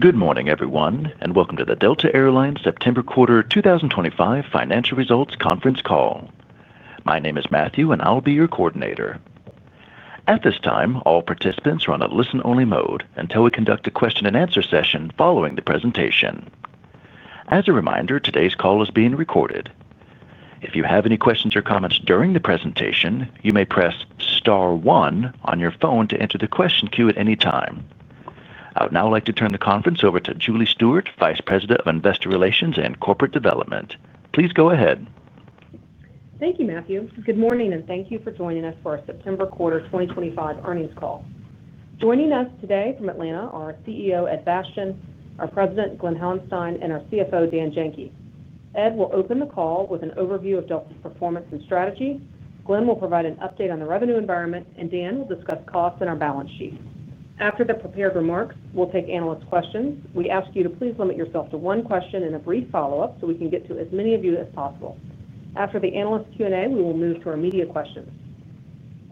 Good morning, everyone, and welcome to the Delta Air Lines September Quarter 2025 Financial Results Conference Call. My name is Matthew, and I'll be your coordinator. At this time, all participants are on a listen-only mode until we conduct a question and answer session following the presentation. As a reminder, today's call is being recorded. If you have any questions or comments during the presentation, you may press star one on your phone to enter the question queue at any time. I would now like to turn the conference over to Julie Stewart, Vice President of Investor Relations and Corporate Development. Please go ahead. Thank you, Matthew. Good morning, and thank you for joining us for our September Quarter 2025 Earnings Call. Joining us today from Atlanta are our CEO, Ed Bastian, our President, Glen Hauenstein, and our CFO, Dan Janki. Ed will open the call with an overview of Delta Air Lines' performance and strategy. Glen will provide an update on the revenue environment, and Dan will discuss costs and our balance sheet. After the prepared remarks, we'll take analyst questions. We ask you to please limit yourself to one question and a brief follow-up so we can get to as many of you as possible. After the analyst Q&A, we will move to our media questions.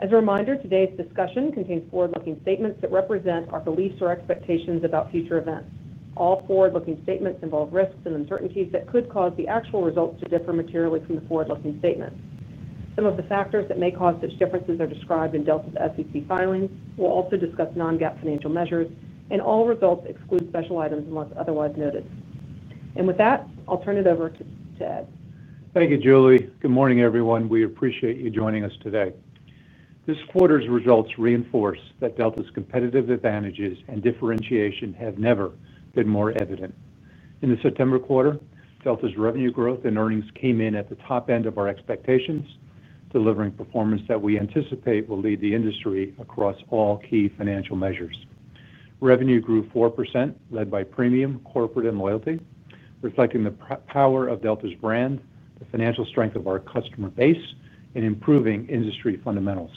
As a reminder, today's discussion contains forward-looking statements that represent our beliefs or expectations about future events. All forward-looking statements involve risks and uncertainties that could cause the actual results to differ materially from the forward-looking statements. Some of the factors that may cause such differences are described in Delta's SEC filings. We'll also discuss non-GAAP financial measures, and all results exclude special items unless otherwise noted. With that, I'll turn it over to Ed. Thank you, Julie. Good morning, everyone. We appreciate you joining us today. This quarter's results reinforce that Delta's competitive advantages and differentiation have never been more evident. In the September quarter, Delta's revenue growth and earnings came in at the top end of our expectations, delivering performance that we anticipate will lead the industry across all key financial measures. Revenue grew 4%, led by premium, corporate, and loyalty, reflecting the power of Delta's brand, the financial strength of our customer base, and improving industry fundamentals.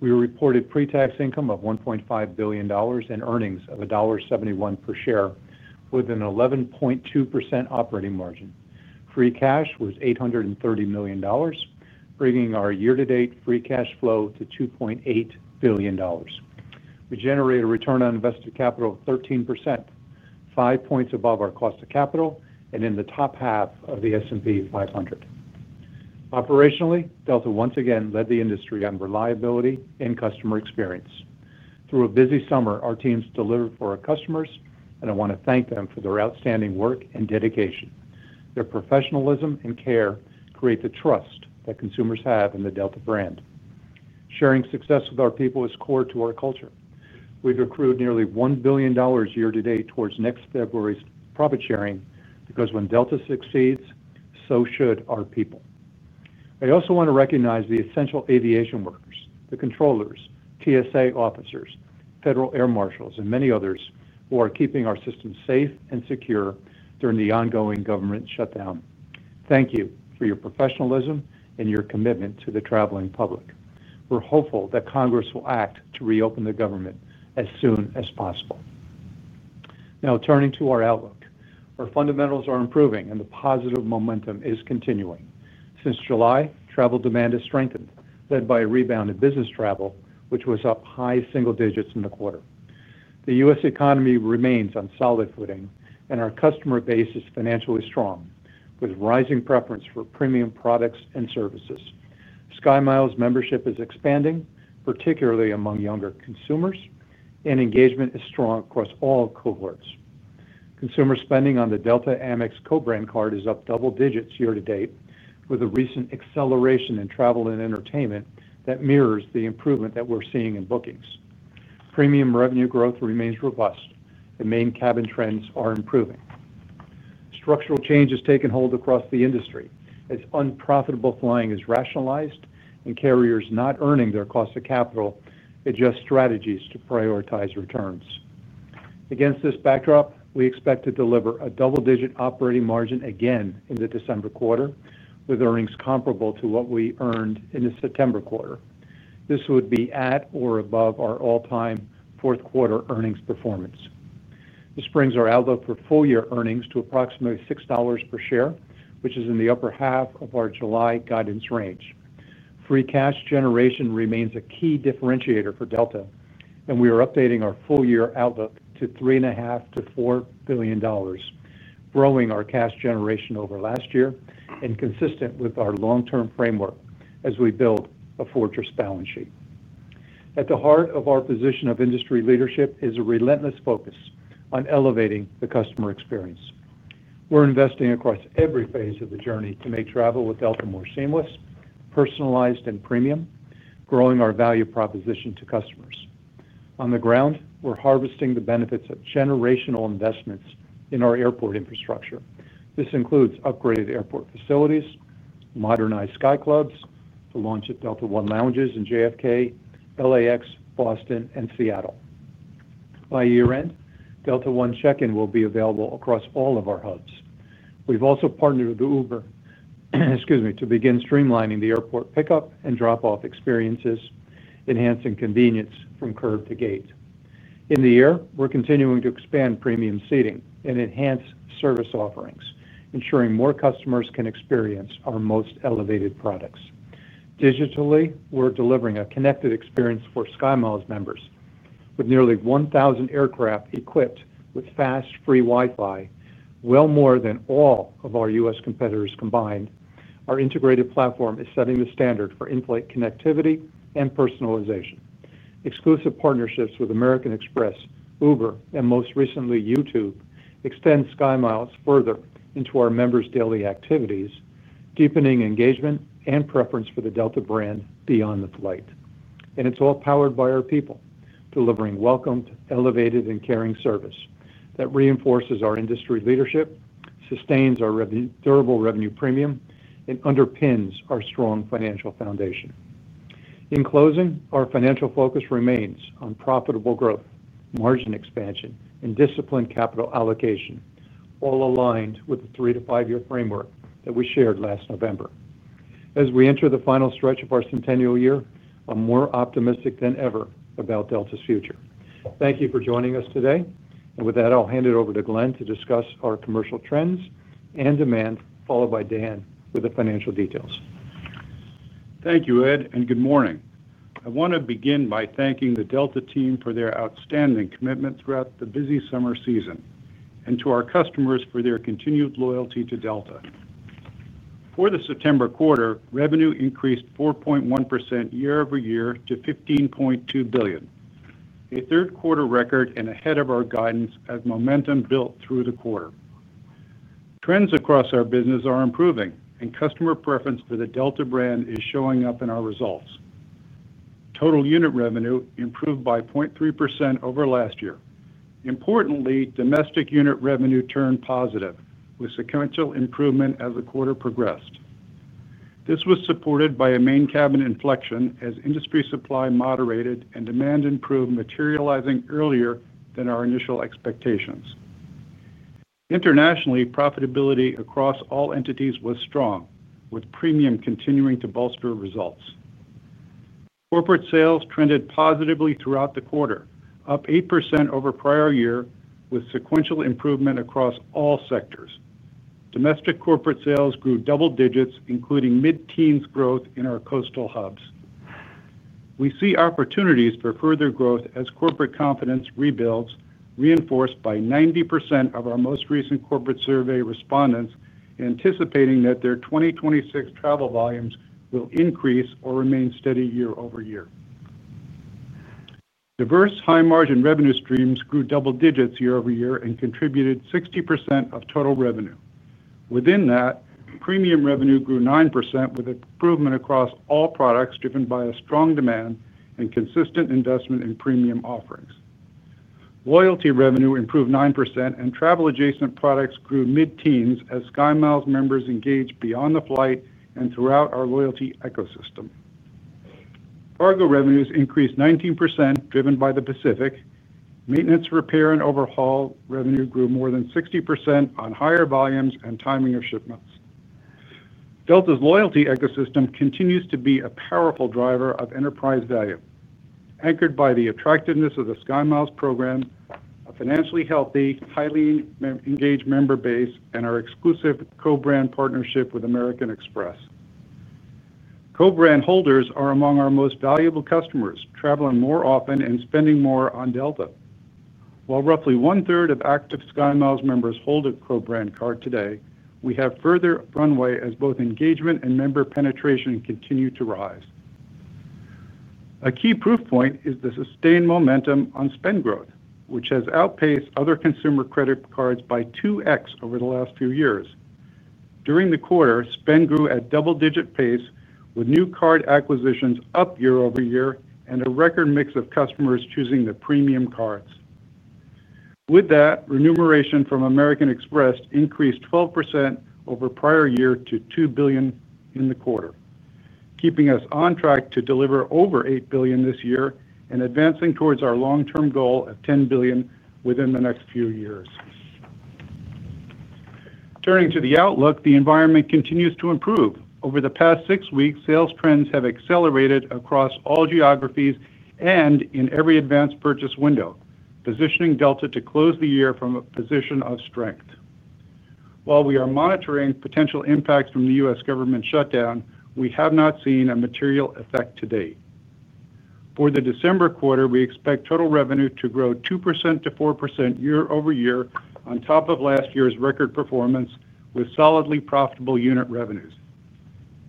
We reported pre-tax income of $1.5 billion and earnings of $1.71 per share, with an 11.2% operating margin. Free cash was $830 million, bringing our year-to-date free cash flow to $2.8 billion. We generated a return on invested capital of 13%, five points above our cost of capital and in the top half of the S&P 500. Operationally, Delta once again led the industry on reliability and customer experience. Through a busy summer, our teams delivered for our customers, and I want to thank them for their outstanding work and dedication. Their professionalism and care create the trust that consumers have in the Delta brand. Sharing success with our people is core to our culture. We've accrued nearly $1 billion year to date towards next February's profit sharing because when Delta succeeds, so should our people. I also want to recognize the essential aviation workers, the controllers, TSA officers, federal air marshals, and many others who are keeping our system safe and secure during the ongoing government shutdown. Thank you for your professionalism and your commitment to the traveling public. We're hopeful that Congress will act to reopen the government as soon as possible. Now, turning to our outlook, our fundamentals are improving, and the positive momentum is continuing. Since July, travel demand has strengthened, led by a rebound in business travel, which was up high single digits in the quarter. The U.S. economy remains on solid footing, and our customer base is financially strong, with rising preference for premium products and services. SkyMiles membership is expanding, particularly among younger consumers, and engagement is strong across all cohorts. Consumer spending on the Delta Amex co-brand card is up double digits year to date, with a recent acceleration in travel and entertainment that mirrors the improvement that we're seeing in bookings. Premium revenue growth remains robust, and main cabin trends are improving. Structural changes taking hold across the industry as unprofitable flying is rationalized and carriers not earning their cost of capital adjust strategies to prioritize returns. Against this backdrop, we expect to deliver a double-digit operating margin again in the December quarter, with earnings comparable to what we earned in the September quarter. This would be at or above our all-time fourth quarter earnings performance. This brings our outlook for full-year earnings to approximately $6 per share, which is in the upper half of our July guidance range. Free cash generation remains a key differentiator for Delta Air Lines, and we are updating our full-year outlook to $3.5 billion-$4 billion, growing our cash generation over last year and consistent with our long-term framework as we build a fortress balance sheet. At the heart of our position of industry leadership is a relentless focus on elevating the customer experience. We're investing across every phase of the journey to make travel with Delta Air Lines more seamless, personalized, and premium, growing our value proposition to customers. On the ground, we're harvesting the benefits of generational investments in our airport infrastructure. This includes upgraded airport facilities, modernized Sky Clubs, the launch of Delta One lounges in JFK, LAX, Boston, and Seattle. By year-end, Delta One check-in will be available across all of our hubs. We've also partnered with Uber to begin streamlining the airport pickup and drop-off experiences, enhancing convenience from curb to gate. In the air, we're continuing to expand premium seating and enhance service offerings, ensuring more customers can experience our most elevated products. Digitally, we're delivering a connected experience for SkyMiles members. With nearly 1,000 aircraft equipped with fast, free Wi-Fi, well more than all of our U.S. competitors combined, our integrated platform is setting the standard for in-flight connectivity and personalization. Exclusive partnerships with American Express, Uber, and most recently, YouTube extend SkyMiles further into our members' daily activities, deepening engagement and preference for the Delta brand beyond the flight. It's all powered by our people, delivering welcomed, elevated, and caring service that reinforces our industry leadership, sustains our durable revenue premium, and underpins our strong financial foundation. In closing, our financial focus remains on profitable growth, margin expansion, and disciplined capital allocation, all aligned with the three-to-five-year framework that we shared last November. As we enter the final stretch of our centennial year, I'm more optimistic than ever about Delta's future. Thank you for joining us today. With that, I'll hand it over to Glen to discuss our commercial trends and demand, followed by Dan with the financial details. Thank you, Ed, and good morning. I want to begin by thanking the Delta team for their outstanding commitment throughout the busy summer season and to our customers for their continued loyalty to Delta. For the September quarter, revenue increased 4.1% year-over-year to $15.2 billion, a third-quarter record and ahead of our guidance as momentum built through the quarter. Trends across our business are improving, and customer preference for the Delta brand is showing up in our results. Total unit revenue improved by 0.3% over last year. Importantly, domestic unit revenue turned positive with sequential improvement as the quarter progressed. This was supported by a main cabin inflection as industry supply moderated and demand improved, materializing earlier than our initial expectations. Internationally, profitability across all entities was strong, with premium continuing to bolster results. Corporate sales trended positively throughout the quarter, up 8% over-prior-year, with sequential improvement across all sectors. Domestic corporate sales grew double digits, including mid-teens growth in our coastal hubs. We see opportunities for further growth as corporate confidence rebuilds, reinforced by 90% of our most recent corporate survey respondents anticipating that their 2026 travel volumes will increase or remain steady year-over-year. Diverse high-margin revenue streams grew double digits year-over-year and contributed 60% of total revenue. Within that, premium revenue grew 9% with improvement across all products driven by strong demand and consistent investment in premium offerings. Loyalty revenue improved 9%, and travel-adjacent products grew mid-teens as SkyMiles members engaged beyond the flight and throughout our loyalty ecosystem. Cargo revenues increased 19%, driven by the Pacific. Maintenance, repair, and overhaul revenue grew more than 60% on higher volumes and timing of shipments. Delta's loyalty ecosystem continues to be a powerful driver of enterprise value, anchored by the attractiveness of the SkyMiles program, a financially healthy, highly engaged member base, and our exclusive co-brand partnership with American Express. Co-brand holders are among our most valuable customers, traveling more often and spending more on Delta. While roughly one-third of active SkyMiles members hold a co-brand card today, we have further runway as both engagement and member penetration continue to rise. A key proof point is the sustained momentum on spend growth, which has outpaced other consumer credit cards by 2x over the last few years. During the quarter, spend grew at double-digit pace, with new card acquisitions up year-over-year and a record mix of customers choosing the premium cards. With that, remuneration from American Express increased 12% over-prior-year to $2 billion in the quarter, keeping us on track to deliver over $8 billion this year and advancing towards our long-term goal of $10 billion within the next few years. Turning to the outlook, the environment continues to improve. Over the past six weeks, sales trends have accelerated across all geographies and in every advanced purchase window, positioning Delta to close the year from a position of strength. While we are monitoring potential impacts from the U.S. government shutdown, we have not seen a material effect to date. For the December quarter, we expect total revenue to grow 2%-4% year-over-year on top of last year's record performance, with solidly profitable unit revenues.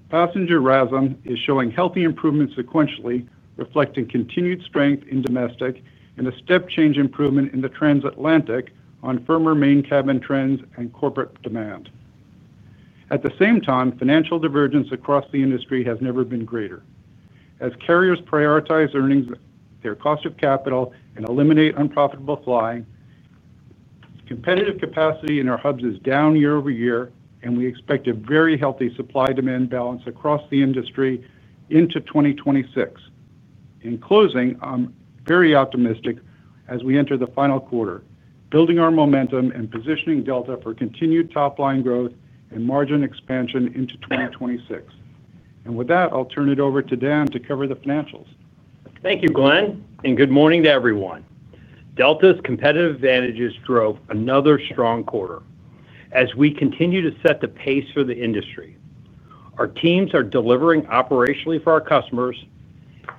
Passenger growth is showing healthy improvements sequentially, reflecting continued strength in domestic and a step-change improvement in the transatlantic on firmer main cabin trends and corporate demand. At the same time, financial divergence across the industry has never been greater. As carriers prioritize earning their cost of capital and eliminate unprofitable flying, competitive capacity in our hubs is down year-over-year, and we expect a very healthy supply-demand balance across the industry into 2026. In closing, I'm very optimistic as we enter the final quarter, building our momentum and positioning Delta for continued top-line growth and margin expansion into 2026. With that, I'll turn it over to Dan to cover the financials. Thank you, Glen, and good morning to everyone. Delta's competitive advantages drove another strong quarter. As we continue to set the pace for the industry, our teams are delivering operationally for our customers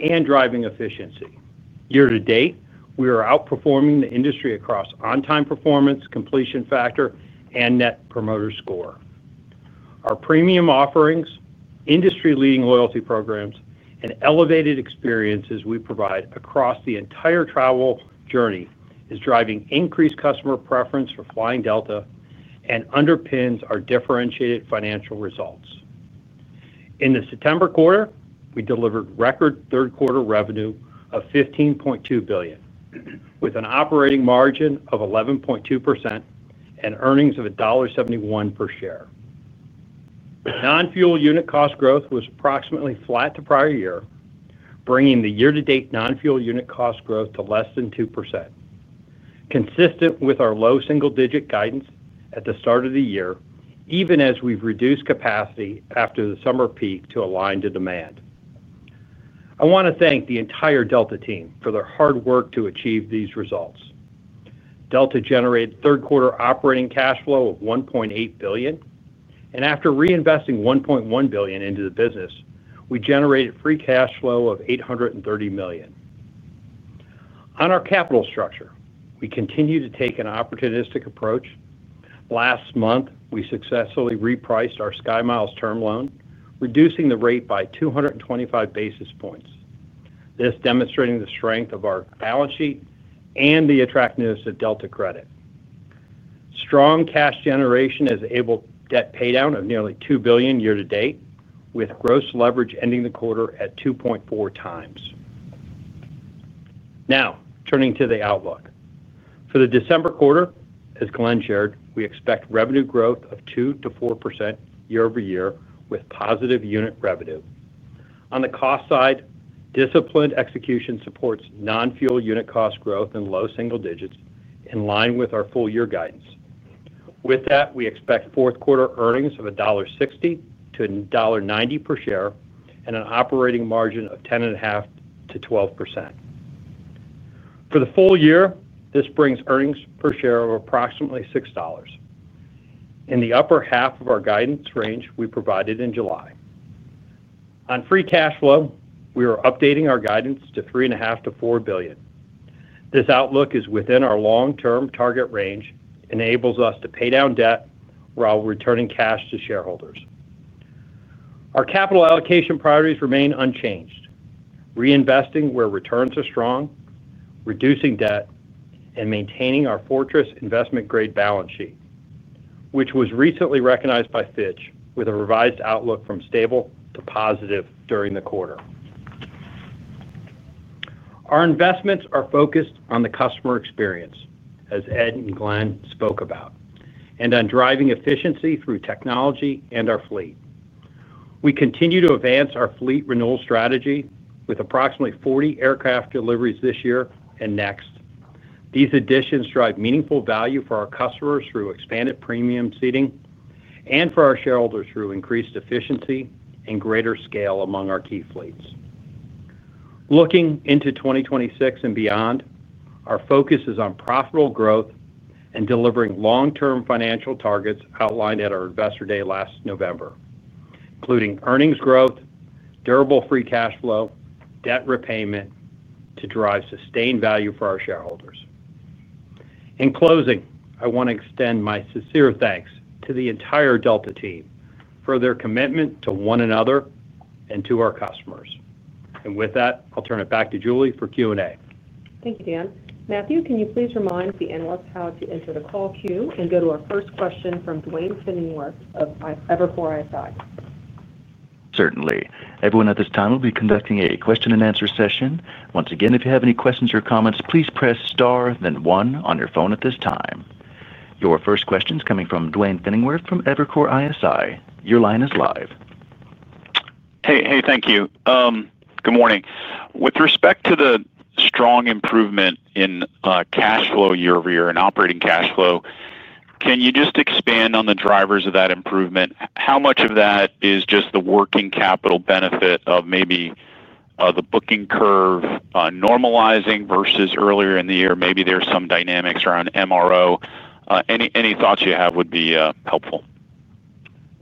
and driving efficiency. Year to date, we are outperforming the industry across on-time performance, completion factor, and net promoter score. Our premium offerings, industry-leading loyalty programs, and elevated experiences we provide across the entire travel journey are driving increased customer preference for flying Delta and underpin our differentiated financial results. In the September quarter, we delivered record third-quarter revenue of $15.2 billion, with an operating margin of 11.2% and earnings of $1.71 per share. Non-fuel unit cost growth was approximately flat to prior year, bringing the year-to-date non-fuel unit cost growth to less than 2%, consistent with our low single-digit guidance at the start of the year, even as we've reduced capacity after the summer peak to align to demand. I want to thank the entire Delta team for their hard work to achieve these results. Delta generated third-quarter operating cash flow of $1.8 billion, and after reinvesting $1.1 billion into the business, we generated free cash flow of $830 million. On our capital structure, we continue to take an opportunistic approach. Last month, we successfully repriced our SkyMiles term loan, reducing the rate by 225 basis points, demonstrating the strength of our balance sheet and the attractiveness of Delta credit. Strong cash generation has enabled debt paydown of nearly $2 billion year-to-date, with gross leverage ending the quarter at 2.4x. Now, turning to the outlook. For the December quarter, as Glen shared, we expect revenue growth of 2%-4% year-over-year with positive unit revenue. On the cost side, disciplined execution supports non-fuel unit cost growth in low single digits, in line with our full-year guidance. With that, we expect fourth-quarter earnings of $1.60-$1.90 per share and an operating margin of 10.5%-12%. For the full year, this brings earnings per share of approximately $6, in the upper half of our guidance range we provided in July. On free cash flow, we are updating our guidance to $3.5-$4 billion. This outlook is within our long-term target range and enables us to pay down debt while returning cash to shareholders. Our capital allocation priorities remain unchanged, reinvesting where returns are strong, reducing debt, and maintaining our fortress investment-grade balance sheet, which was recently recognized by Fitch with a revised outlook from stable to positive during the quarter. Our investments are focused on the customer experience, as Ed and Glen spoke about, and on driving efficiency through technology and our fleet. We continue to advance our fleet renewal strategy with approximately 40 aircraft deliveries this year and next. These additions drive meaningful value for our customers through expanded premium seating and for our shareholders through increased efficiency and greater scale among our key fleets. Looking into 2026 and beyond, our focus is on profitable growth and delivering long-term financial targets outlined at our Investor Day last November, including earnings growth, durable free cash flow, debt repayment to drive sustained value for our shareholders. In closing, I want to extend my sincere thanks to the entire Delta team for their commitment to one another and to our customers. With that, I'll turn it back to Julie for Q&A. Thank you, Dan. Matthew, can you please remind the analysts how to enter the call queue and go to our first question from Duane Pfennigwerth of Evercore ISI? Certainly. Everyone, at this time we will be conducting a question and answer session. Once again, if you have any questions or comments, please press star, then one on your phone at this time. Your first question is coming from Duane Pfennigwerth from Evercore ISI. Your line is live. Hey, thank you. Good morning. With respect to the strong improvement in cash flow year-over-year and operating cash flow, can you just expand on the drivers of that improvement? How much of that is just the working capital benefit of maybe the booking curve normalizing versus earlier in the year? Maybe there's some dynamics around MRO. Any thoughts you have would be helpful.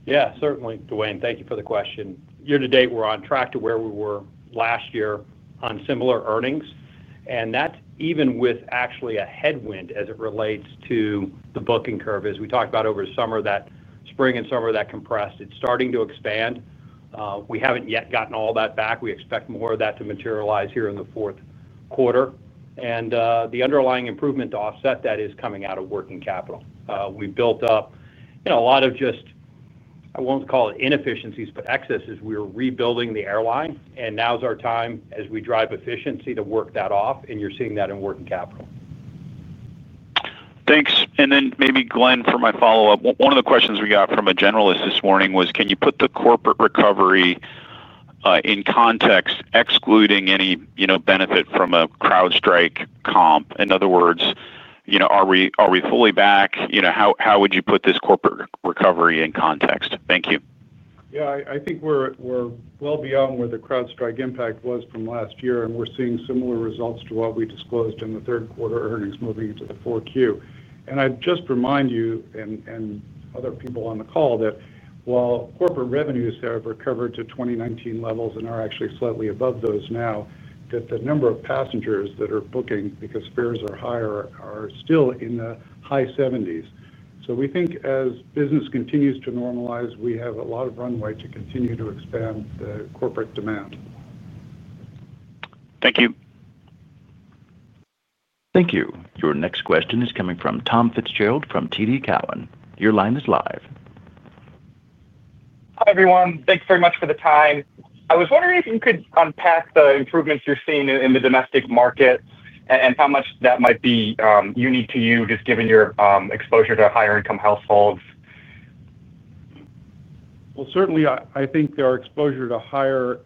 Yeah, certainly, Duane. Thank you for the question. Year to date, we're on track to where we were last year on similar earnings. That's even with actually a headwind as it relates to the booking curve. As we talked about over the summer, that spring and summer that compressed, it's starting to expand. We haven't yet gotten all that back. We expect more of that to materialize here in the fourth quarter. The underlying improvement to offset that is coming out of working capital. We built up a lot of just, I won't call it inefficiencies, but excesses. We're rebuilding the airline. Now's our time as we drive efficiency to work that off. You're seeing that in working capital. Thanks. Maybe Glen, for my follow-up, one of the questions we got from a generalist this morning was, can you put the corporate recovery in context, excluding any, you know, benefit from a CrowdStrike comp? In other words, you know, are we fully back? How would you put this corporate recovery in context? Thank you. I think we're well beyond where the CrowdStrike impact was from last year, and we're seeing similar results to what we disclosed in the third quarter earnings moving into the fourth quarter. I'd just remind you and other people on the call that while corporate revenues have recovered to 2019 levels and are actually slightly above those now, the number of passengers that are booking because fares are higher are still in the high 70%. We think as business continues to normalize, we have a lot of runway to continue to expand the corporate demand. Thank you. Thank you. Your next question is coming from Tom Fitzgerald from TD Cowen. Your line is live. Hi, everyone. Thanks very much for the time. I was wondering if you could unpack the improvements you're seeing in the domestic market and how much that might be unique to you, just given your exposure to higher-income households. I think our exposure to a higher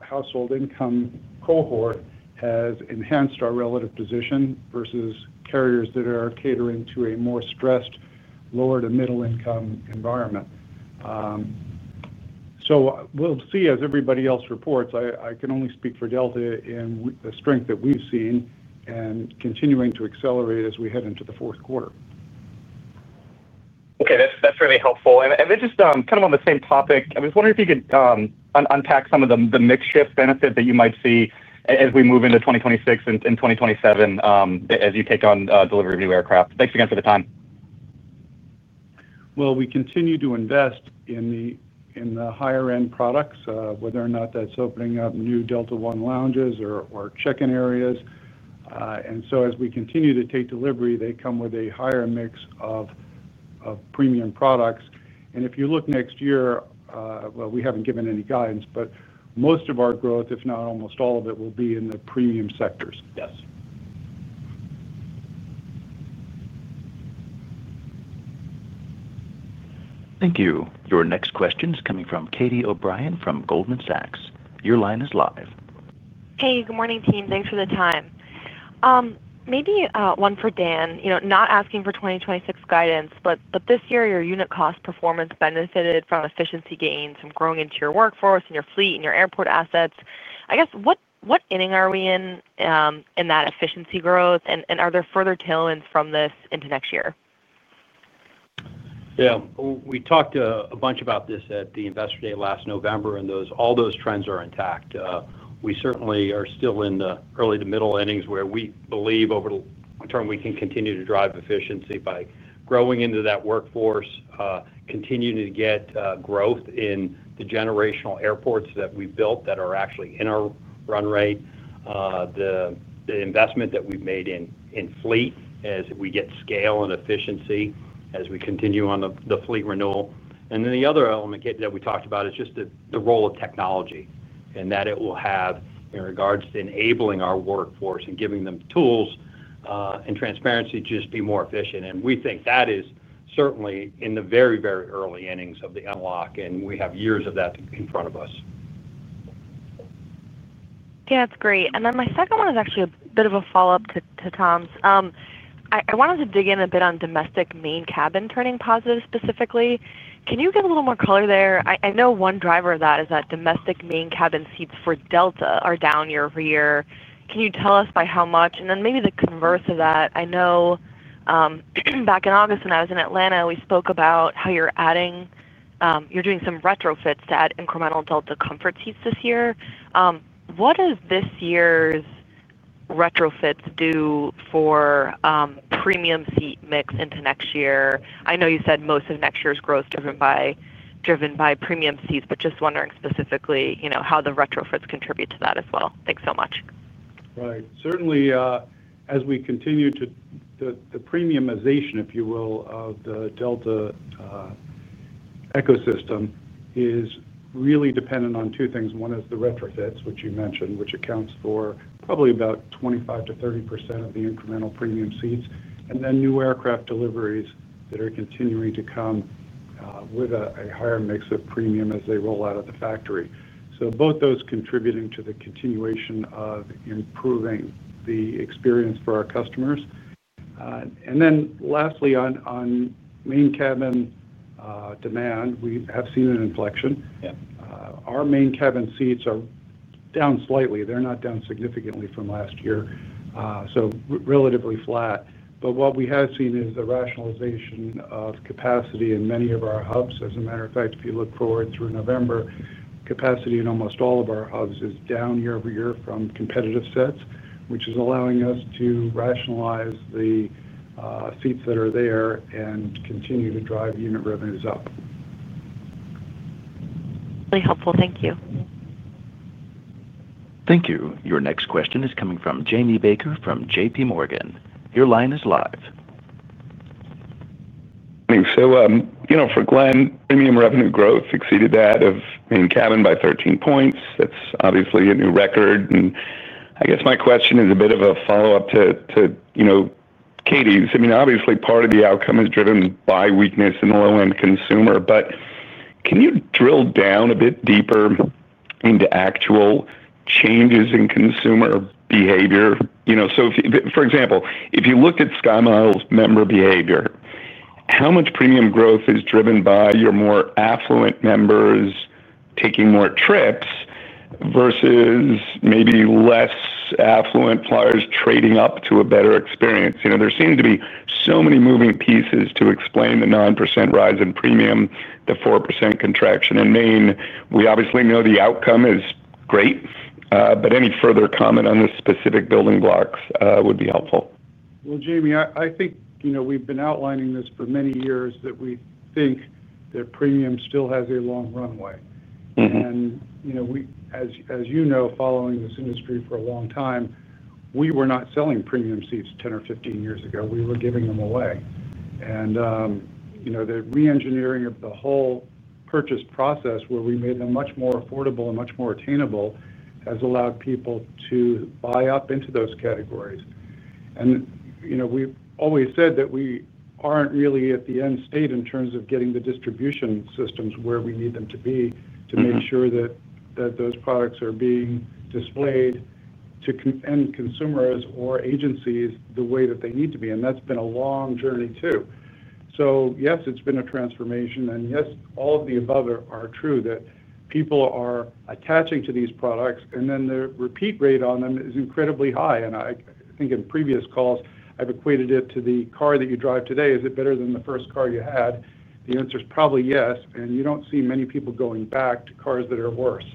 household income cohort has enhanced our relative position versus carriers that are catering to a more stressed, lower to middle-income environment. We'll see as everybody else reports. I can only speak for Delta in the strength that we've seen and continuing to accelerate as we head into the fourth quarter. Okay, that's really helpful. Just kind of on the same topic, I was wondering if you could unpack some of the makeshift benefit that you might see as we move into 2026 and 2027 as you take on delivery of new aircraft. Thanks again for the time. We continue to invest in the higher-end products, whether or not that's opening up new Delta One lounges or check-in areas. As we continue to take delivery, they come with a higher mix of premium products. If you look next year, we haven't given any guidance, but most of our growth, if not almost all of it, will be in the premium sectors. Yes. Thank you. Your next question is coming from Catie O'Brien from Goldman Sachs. Your line is live. Hey, good morning, team. Thanks for the time. Maybe one for Dan, you know, not asking for 2026 guidance, but this year, your unit cost performance benefited from efficiency gains from growing into your workforce and your fleet and your airport assets. I guess, what inning are we in in that efficiency growth? Are there further tailwinds from this into next year? Yeah, we talked a bunch about this at the Investor Day last November, and all those trends are intact. We certainly are still in the early to middle innings where we believe over the long term, we can continue to drive efficiency by growing into that workforce, continuing to get growth in the generational airports that we've built that are actually in our run rate, the investment that we've made in fleet as we get scale and efficiency as we continue on the fleet renewal. The other element that we talked about is just the role of technology and that it will have in regards to enabling our workforce and giving them tools and transparency to just be more efficient. We think that is certainly in the very, very early innings of the unlock, and we have years of that in front of us. Yeah, that's great. My second one is actually a bit of a follow-up to Tom's. I wanted to dig in a bit on domestic main cabin turning positive specifically. Can you give a little more color there? I know one driver of that is that domestic main cabin seats for Delta are down year-over-year. Can you tell us by how much? Maybe the converse of that, I know back in August when I was in Atlanta, we spoke about how you're adding, you're doing some retrofits to add incremental Delta Comfort seats this year. What does this year's retrofits do for premium seat mix into next year? I know you said most of next year's growth is driven by premium seats, but just wondering specifically how the retrofits contribute to that as well. Thanks so much. Certainly, as we continue to the premiumization, if you will, of the Delta ecosystem, it is really dependent on two things. One is the retrofits, which you mentioned, which accounts for probably about 25%-30% of the incremental premium seats, and then new aircraft deliveries that are continuing to come with a higher mix of premium as they roll out of the factory. Both those contribute to the continuation of improving the experience for our customers. Lastly, on main cabin demand, we have seen an inflection. Our main cabin seats are down slightly. They're not down significantly from last year, so relatively flat. What we have seen is the rationalization of capacity in many of our hubs. As a matter of fact, if you look forward through November, capacity in almost all of our hubs is down year-over-year from competitive sets, which is allowing us to rationalize the seats that are there and continue to drive unit revenues up. Very helpful. Thank you. Thank you. Your next question is coming from Jamie Baker from JPMorgan. Your line is live. Thanks. For Glen, premium revenue growth exceeded that of main cabin by 13 points. That's obviously a new record. My question is a bit of a follow-up to Katie's. Obviously, part of the outcome is driven by weakness in oil and consumer, but can you drill down a bit deeper into actual changes in consumer behavior? For example, if you looked at SkyMiles member behavior, how much premium growth is driven by your more affluent members taking more trips versus maybe less affluent flyers trading up to a better experience? There seem to be so many moving pieces to explain the 9% rise in premium, the 4% contraction in main. We obviously know the outcome is great, but any further comment on the specific building blocks would be helpful. Jamie, I think, you know, we've been outlining this for many years that we think that premium still has a long runway. You know, as you know, following this industry for a long time, we were not selling premium seats 10 or 15 years ago. We were giving them away. The re-engineering of the whole purchase process where we made them much more affordable and much more attainable has allowed people to buy up into those categories. We always said that we aren't really at the end state in terms of getting the distribution systems where we need them to be to make sure that those products are being displayed to end consumers or agencies the way that they need to be. That's been a long journey too. Yes, it's been a transformation. Yes, all of the above are true that people are attaching to these products, and then the repeat rate on them is incredibly high. I think in previous calls, I've equated it to the car that you drive today. Is it better than the first car you had? The answer is probably yes. You don't see many people going back to cars that are worse.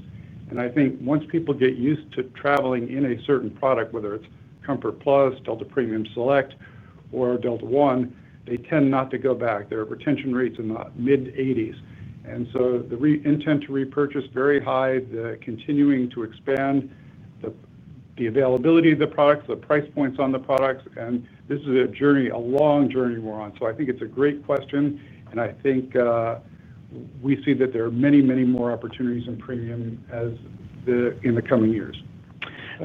I think once people get used to traveling in a certain product, whether it's Comfort Plus, Delta Premium Select, or Delta One, they tend not to go back. Their retention rates are in the mid-80s%. The intent to repurchase is very high. They're continuing to expand the availability of the products, the price points on the products. This is a journey, a long journey we're on. I think it's a great question. I think we see that there are many, many more opportunities in premium in the coming years.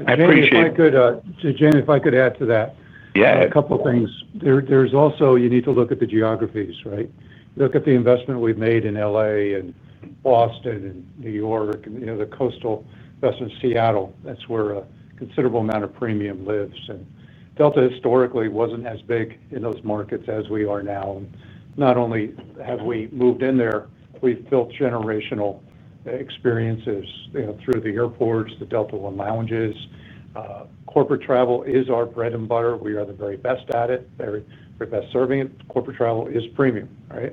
I think if I could, Jane, if I could add to that, yeah, a couple of things. There's also, you need to look at the geographies, right? Look at the investment we've made in Los Angeles and Boston and New York and the coastal investment in Seattle. That's where a considerable amount of premium lives. Delta historically wasn't as big in those markets as we are now. Not only have we moved in there, we've built generational experiences through the airports, the Delta One lounges. Corporate travel is our bread and butter. We are the very best at it, very best serving it. Corporate travel is premium, right?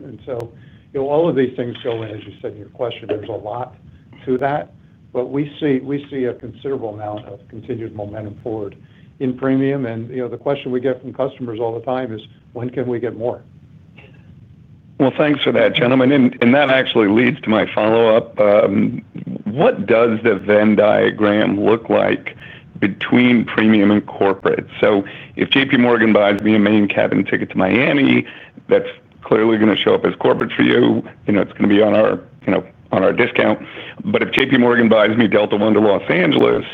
All of these things, Julie, as you said in your question, there's a lot to that. We see a considerable amount of continued momentum forward in premium. The question we get from customers all the time is, when can we get more? Thank you for that, gentlemen. That actually leads to my follow-up. What does the Venn diagram look like between premium and corporate? If JPMorgan buys me a main cabin ticket to Miami, that's clearly going to show up as corporate for you. It's going to be on our discount. If JPMorgan buys me Delta One to Los Angeles,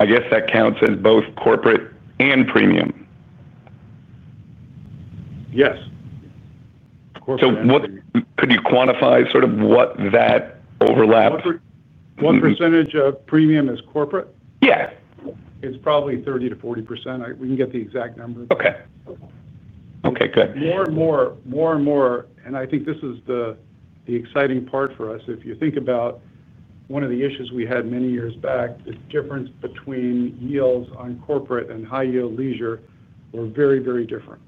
I guess that counts as both corporate and premium. Yes. Could you quantify sort of what that overlaps? What percentage of premium is corporate? Yeah. It's probably 30%-40%. We can get the exact number. Okay, good. More and more, more and more. I think this is the exciting part for us. If you think about one of the issues we had many years back, the difference between yields on corporate and high-yield leisure were very, very different.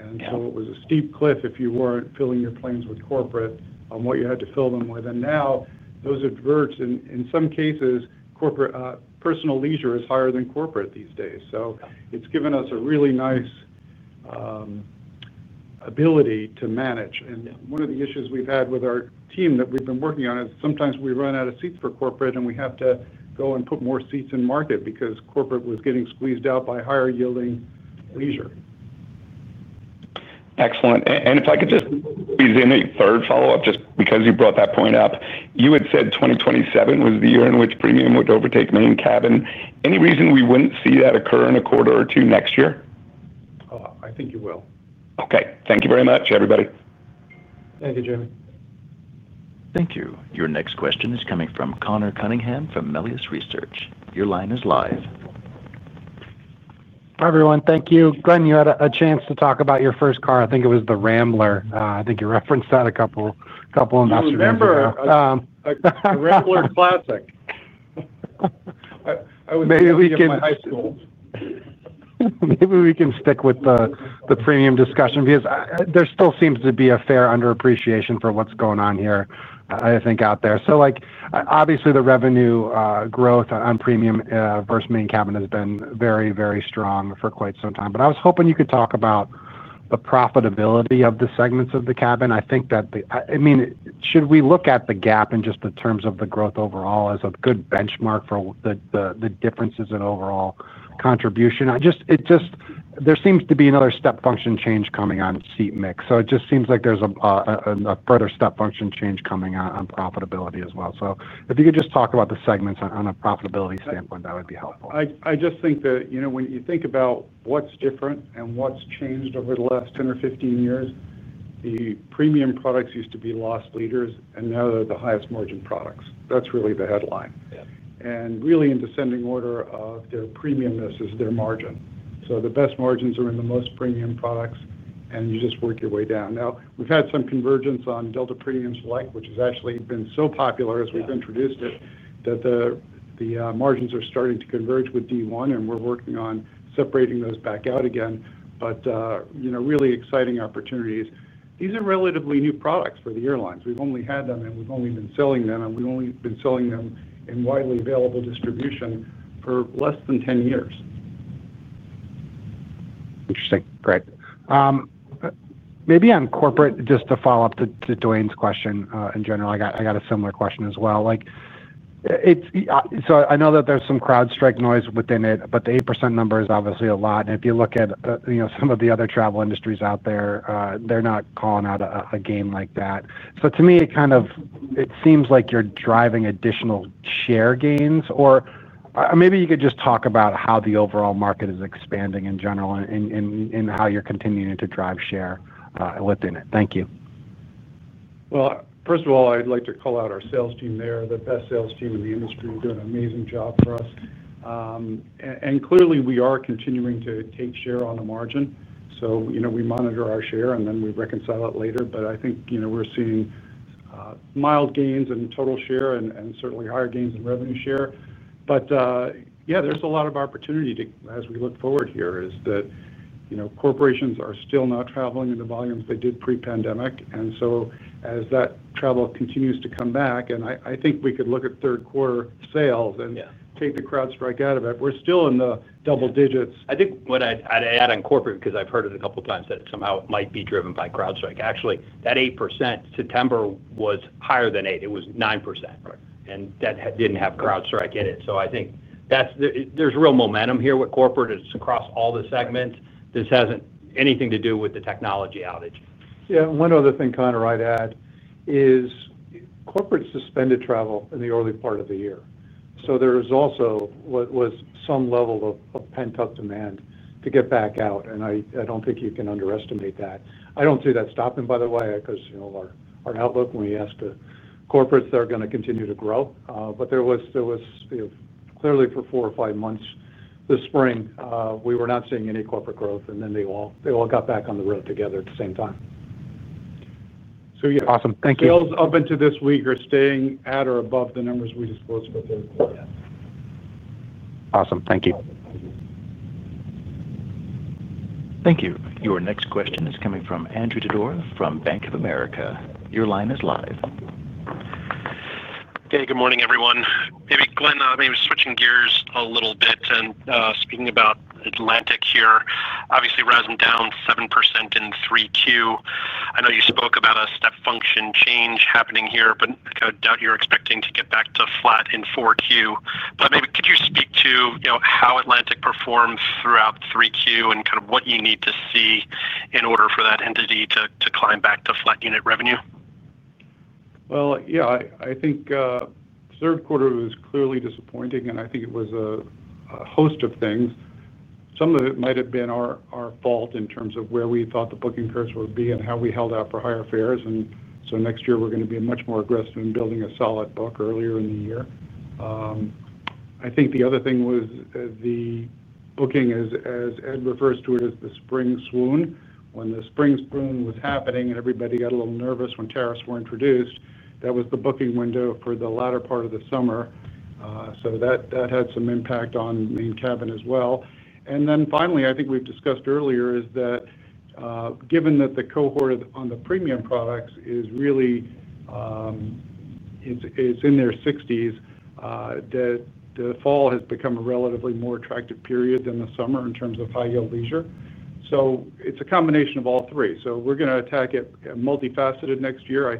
It was a steep cliff if you weren't filling your planes with corporate on what you had to fill them with. Now those adverts, in some cases, personal leisure is higher than corporate these days. It's given us a really nice ability to manage. One of the issues we've had with our team that we've been working on is sometimes we run out of seats for corporate, and we have to go and put more seats in market because corporate was getting squeezed out by higher yielding leisure. Excellent. If I could just, is there any third follow-up? Just because you brought that point up, you had said 2027 was the year in which premium would overtake main cabin. Any reason we wouldn't see that occur in a quarter or two next year? I think you will. Okay, thank you very much, everybody. Thank you, Jamie. Thank you. Your next question is coming from Conor Cunningham from Melius Research. Your line is live. Hi, everyone. Thank you. Glen, you had a chance to talk about your first car. I think it was the Rambler. I think you referenced that to a couple of investors. That's a Rambler classic. Maybe we can stick with the premium discussion because there still seems to be a fair underappreciation for what's going on here, I think, out there. Obviously, the revenue growth on premium versus main cabin has been very, very strong for quite some time. I was hoping you could talk about the profitability of the segments of the cabin. Should we look at the gap in just the terms of the growth overall as a good benchmark for the differences in overall contribution? There seems to be another step function change coming on seat mix. It seems like there's a further step function change coming on profitability as well. If you could just talk about the segments on a profitability standpoint, that would be helpful. I just think that, you know, when you think about what's different and what's changed over the last 10 or 15 years, the premium products used to be loss leaders, and now they're the highest margin products. That's really the headline. Really, in descending order of their premium, this is their margin. The best margins are in the most premium products, and you just work your way down. We've had some convergence on Delta Premium Select, which has actually been so popular as we've introduced it that the margins are starting to converge with Delta One, and we're working on separating those back out again. Really exciting opportunities. These are relatively new products for the airlines. We've only had them, and we've only been selling them, and we've only been selling them in widely available distribution for less than 10 years. Interesting. Great. Maybe on corporate, just to follow up to Dwight's question in general, I got a similar question as well. I know that there's some CrowdStrike noise within it, but the 8% number is obviously a lot. If you look at, you know, some of the other travel industries out there, they're not calling out a gain like that. To me, it kind of seems like you're driving additional share gains, or maybe you could just talk about how the overall market is expanding in general and how you're continuing to drive share within it. Thank you. I'd like to call out our sales team there, the best sales team in the industry, doing an amazing job for us. Clearly, we are continuing to take share on the margin. We monitor our share, and then we reconcile it later. I think we're seeing mild gains in total share and certainly higher gains in revenue share. There's a lot of opportunity as we look forward here, as corporations are still not traveling in the volumes they did pre-pandemic. As that travel continues to come back, I think we could look at third-quarter sales and take the CrowdStrike out of it, we're still in the double digits. I think what I'd add on corporate, because I've heard it a couple of times, that somehow it might be driven by CrowdStrike. Actually, that 8% September was higher than 8%. It was 9%. And that didn't have CrowdStrike in it. I think there's real momentum here with corporate. It's across all the segments. This hasn't anything to do with the technology outage. Yeah. One other thing, Connor, I'd add is corporate suspended travel in the early part of the year. There was also what was some level of pent-up demand to get back out. I don't think you can underestimate that. I don't see that stopping, by the way, because, you know, our outlook when we asked corporates, they're going to continue to grow. There was, you know, clearly for four or five months this spring, we were not seeing any corporate growth, and then they all got back on the road together at the same time. Awesome. Thank you. Sales up into this week are staying at or above the numbers we disclosed with their board. Awesome. Thank you. Thank you. Your next question is coming from Andrew Berger from Bank of America. Your line is live. Hey, good morning, everyone. Maybe Glen, maybe switching gears a little bit and speaking about Atlantic here. Obviously, rising down 7% in 3Q. I know you spoke about a step function change happening here. I doubt you're expecting to get back to flat in 4Q. Maybe could you speak to, you know, how Atlantic performs throughout 3Q and kind of what you need to see in order for that entity to climb back to flat unit revenue? I think the third quarter was clearly disappointing, and I think it was a host of things. Some of it might have been our fault in terms of where we thought the booking curves would be and how we held out for higher fares. Next year, we're going to be much more aggressive in building a solid book earlier in the year. I think the other thing was the booking, as Ed refers to it, is the spring swoon. When the spring swoon was happening and everybody got a little nervous when tariffs were introduced, that was the booking window for the latter part of the summer. That had some impact on main cabin as well. Finally, I think we've discussed earlier is that given that the cohort on the premium products is really, it's in their 60s, the fall has become a relatively more attractive period than the summer in terms of high-yield leisure. It's a combination of all three. We're going to attack it multifaceted next year. I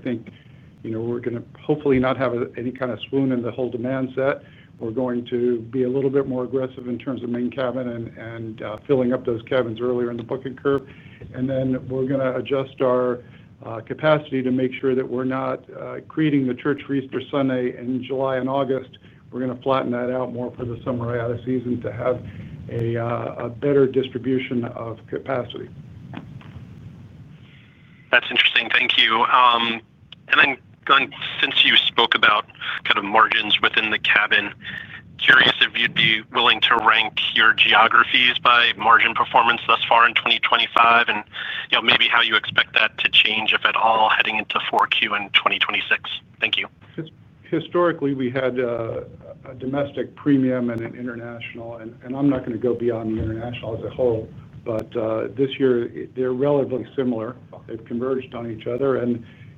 think, you know, we're going to hopefully not have any kind of swoon in the whole demand set. We're going to be a little bit more aggressive in terms of main cabin and filling up those cabins earlier in the booking curve. We're going to adjust our capacity to make sure that we're not creating the church feast or Sunday in July and August. We're going to flatten that out more for the summer out of season to have a better distribution of capacity. That's interesting. Thank you. Glenn, since you spoke about kind of margins within the cabin, curious if you'd be willing to rank your geographies by margin performance thus far in 2025 and, you know, maybe how you expect that to change, if at all, heading into 4Q in 2026. Thank you. Historically, we had a domestic premium and an international, and I'm not going to go beyond the international as a whole, but this year, they're relatively similar. They've converged on each other.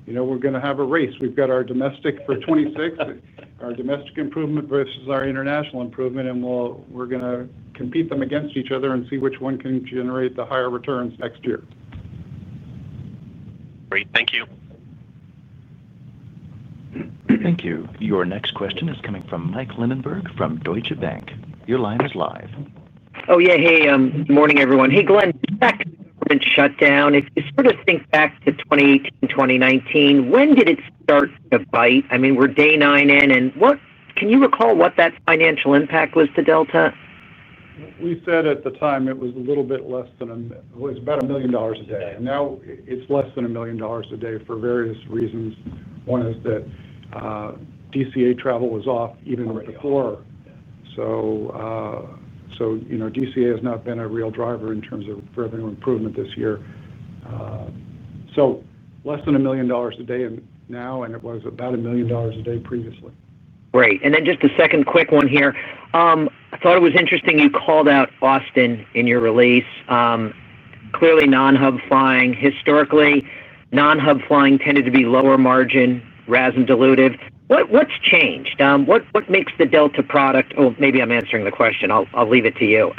We're going to have a race. We've got our domestic for 2026, our domestic improvement versus our international improvement, and we're going to compete them against each other and see which one can generate the higher returns next year. Great. Thank you. Thank you. Your next question is coming from Mike Lindenberg from Deutsche Bank. Your line is live. Oh, yeah. Hey, good morning, everyone. Hey, Glen, back since shutdown, if you sort of think back to 2018 and 2019, when did it start to bite? I mean, we're day nine in, and what can you recall what that financial impact was to Delta Air Lines? We said at the time it was a little bit less than, it was about $1 million a day. Now it's less than $1 million a day for various reasons. One is that DCA travel was off even before. DCA has not been a real driver in terms of revenue improvement this year. Less than $1 million a day now, and it was about $1 million a day previously. Great. Just a second quick one here. I thought it was interesting you called out Boston in your release. Clearly, non-hub flying historically, non-hub flying tended to be lower margin, rise and dilutive. What's changed? What makes the Delta product? Oh, maybe I'm answering the question. I'll leave it to you.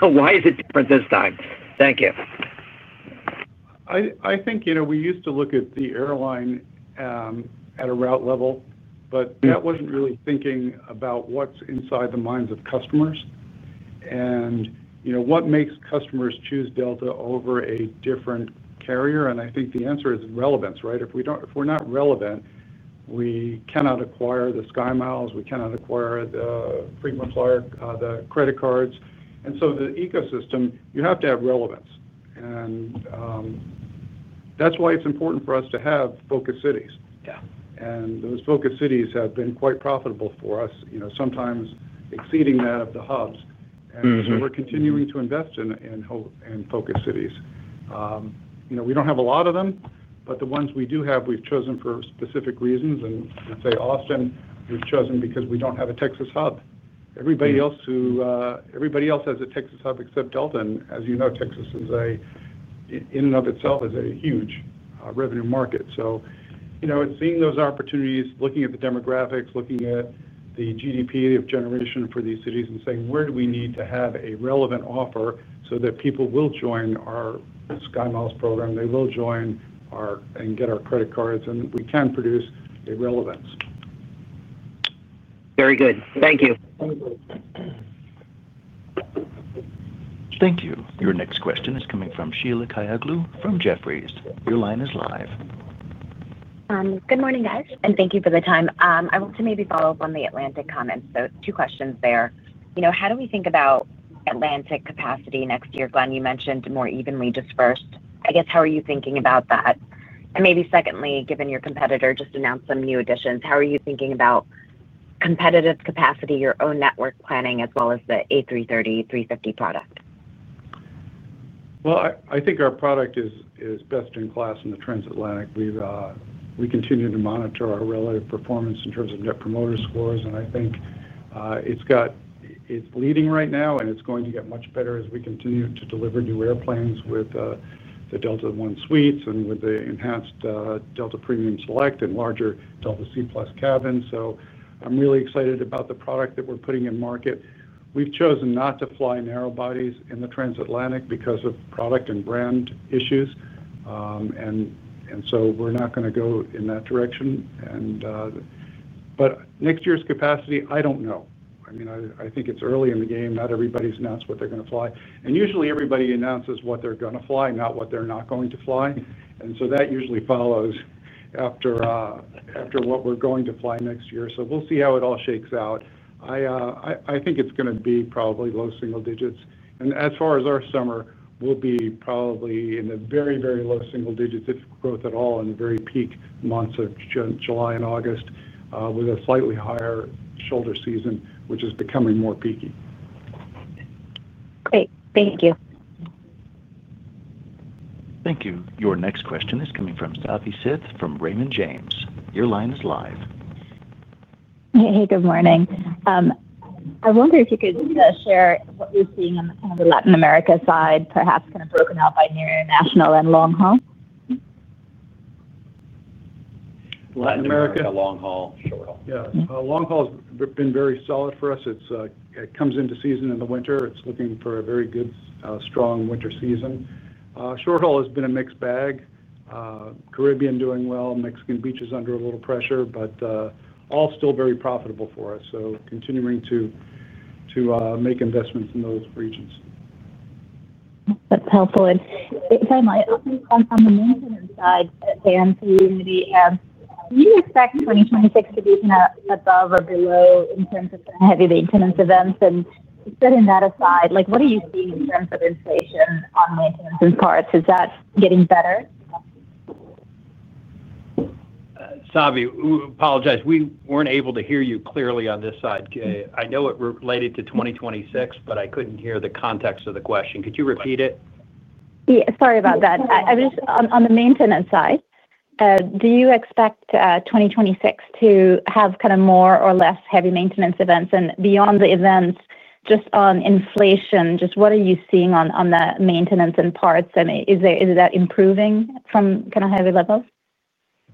Why is it different this time? Thank you. I think, you know, we used to look at the airline at a route level, but that wasn't really thinking about what's inside the minds of customers. You know, what makes customers choose Delta over a different carrier? I think the answer is relevance, right? If we're not relevant, we cannot acquire the SkyMiles. We cannot acquire the frequent flyer, the co-brand cards. The ecosystem, you have to have relevance. That's why it's important for us to have focused cities. Yeah, those focused cities have been quite profitable for us, sometimes exceeding that of the hubs. We're continuing to invest in focused cities. You know, we don't have a lot of them, but the ones we do have, we've chosen for specific reasons. I'd say Austin, we've chosen because we don't have a Texas hub. Everybody else has a Texas hub except Delta Air Lines. As you know, Texas in and of itself is a huge revenue market. It's seeing those opportunities, looking at the demographics, looking at the GDP generation for these cities and saying, where do we need to have a relevant offer so that people will join our SkyMiles program, they will join and get our co-brand cards, and we can produce a relevance. Very good. Thank you. Thank you. Your next question is coming from Sheila Kahyaoglu from Jefferies. Your line is live. Good morning, guys, and thank you for the time. I want to maybe follow up on the Atlantic comments. Two questions there. How do we think about Atlantic capacity next year? Glen, you mentioned more evenly dispersed. I guess, how are you thinking about that? Secondly, given your competitor just announced some new additions, how are you thinking about competitive capacity, your own network planning, as well as the A330, 350 product? I think our product is best in class in the transatlantic. We continue to monitor our relative performance in terms of net promoter scores. I think it's got its leading right now, and it's going to get much better as we continue to deliver new airplanes with the Delta One suites and with the enhanced Delta Premium Select and larger Delta C+ cabins. I'm really excited about the product that we're putting in market. We've chosen not to fly narrow bodies in the transatlantic because of product and brand issues. We're not going to go in that direction. Next year's capacity, I don't know. I think it's early in the game. Not everybody's announced what they're going to fly. Usually, everybody announces what they're going to fly, not what they're not going to fly. That usually follows after what we're going to fly next year. We'll see how it all shakes out. I think it's going to be probably low single digits. As far as our summer, we'll be probably in the very, very low single digits. It's growth at all in the very peak months of July and August with a slightly higher shoulder season, which is becoming more peaky. Great. Thank you. Thank you. Your next question is coming from Savi Syth from Raymond James. Your line is live. Hey, good morning. I wonder if you could share what you're seeing on the Latin America side, perhaps kind of broken out by near national and long haul. Latin America, The long haul, short haul. Yeah, long haul has been very solid for us. It comes into season in the winter. It's looking for a very good, strong winter season. Short haul has been a mixed bag. Caribbean doing well. Mexican beach is under a little pressure, but all still very profitable for us. Continuing to make investments in those regions. That's helpful. Finally, on the maintenance side, Dan, do you expect 2026 to be kind of above or below in terms of heavy maintenance events? Setting that aside, what are you seeing in terms of inflation on maintenance and parts? Is that getting better? Savi, apologize. We weren't able to hear you clearly on this side. I know it related to 2026, but I couldn't hear the context of the question. Could you repeat it? Sorry about that. I was just on the maintenance side. Do you expect 2026 to have kind of more or less heavy maintenance events? Beyond the events, just on inflation, what are you seeing on the maintenance and parts? Is that improving from kind of heavy levels?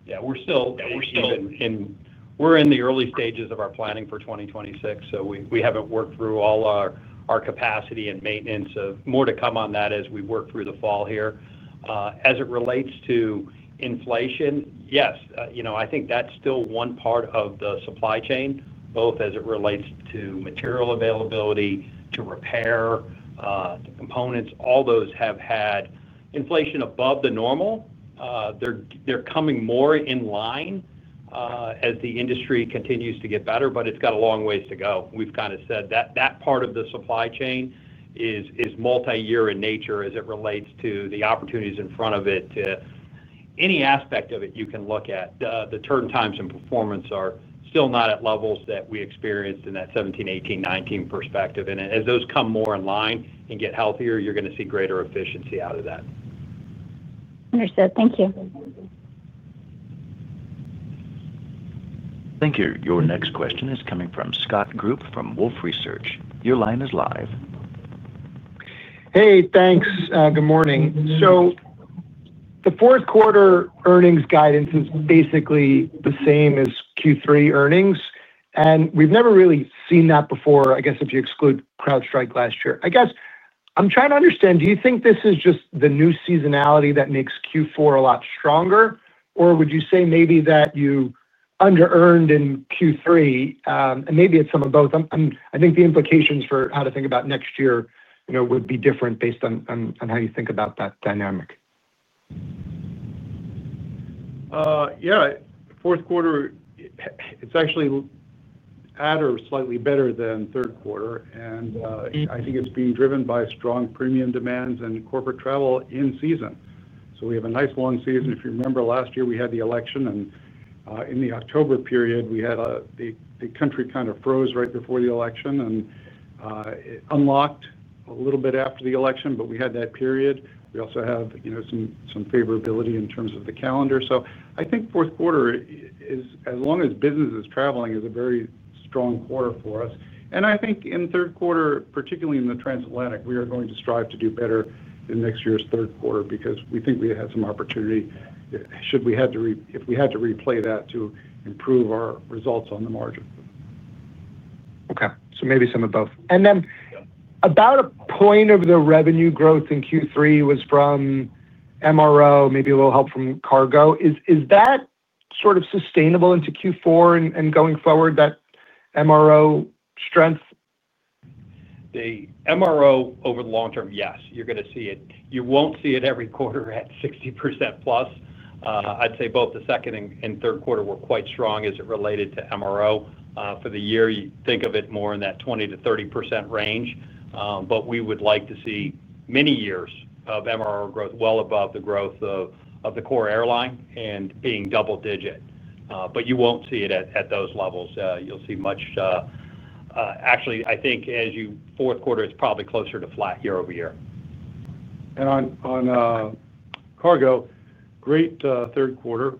Yeah, we're still seeing, we're in the early stages of our planning for 2026. We haven't worked through all our capacity and maintenance. More to come on that as we work through the fall here. As it relates to inflation, yes, I think that's still one part of the supply chain, both as it relates to material availability, to repair, to components. All those have had inflation above the normal. They're coming more in line as the industry continues to get better, but it's got a long ways to go. We've kind of said that part of the supply chain is multi-year in nature as it relates to the opportunities in front of it. Any aspect of it you can look at, the turn times and performance are still not at levels that we experienced in that 2017, 2018, 2019 perspective. As those come more in line and get healthier, you're going to see greater efficiency out of that. Understood. Thank you. Thank you. Your next question is coming from Scott Group from Wolfe Research. Your line is live. Thank you. Good morning. The fourth quarter earnings guidance is basically the same as Q3 earnings. We've never really seen that before, I guess, if you exclude CrowdStrike last year. I'm trying to understand, do you think this is just the new seasonality that makes Q4 a lot stronger? Would you say maybe that you under-earned in Q3? Maybe it's some of both. I think the implications for how to think about next year would be different based on how you think about that dynamic. Yeah, fourth quarter, it's actually at or slightly better than third quarter. I think it's being driven by strong premium demands and corporate travel in season. We have a nice long season. If you remember last year, we had the election, and in the October period, we had the country kind of froze right before the election. It unlocked a little bit after the election, but we had that period. We also have some favorability in terms of the calendar. I think fourth quarter, as long as business is traveling, is a very strong quarter for us. I think in third quarter, particularly in the transatlantic, we are going to strive to do better in next year's third quarter because we think we had some opportunity, should we had to, if we had to replay that, to improve our results on the margin. Maybe some above. About a point of the revenue growth in Q3 was from MRO, maybe a little help from cargo. Is that sort of sustainable into Q4 and going forward, that MRO strength? The MRO over the long term, yes, you're going to see it. You won't see it every quarter at 60%+. I'd say both the second and third quarter were quite strong as it related to MRO. For the year, you think of it more in that 20%-30% range. We would like to see many years of MRO growth well above the growth of the core airline and being double-digit. You won't see it at those levels. You'll see much, actually, I think as you get to the fourth quarter, it's probably closer to flat year-over-year. On cargo, great third quarter.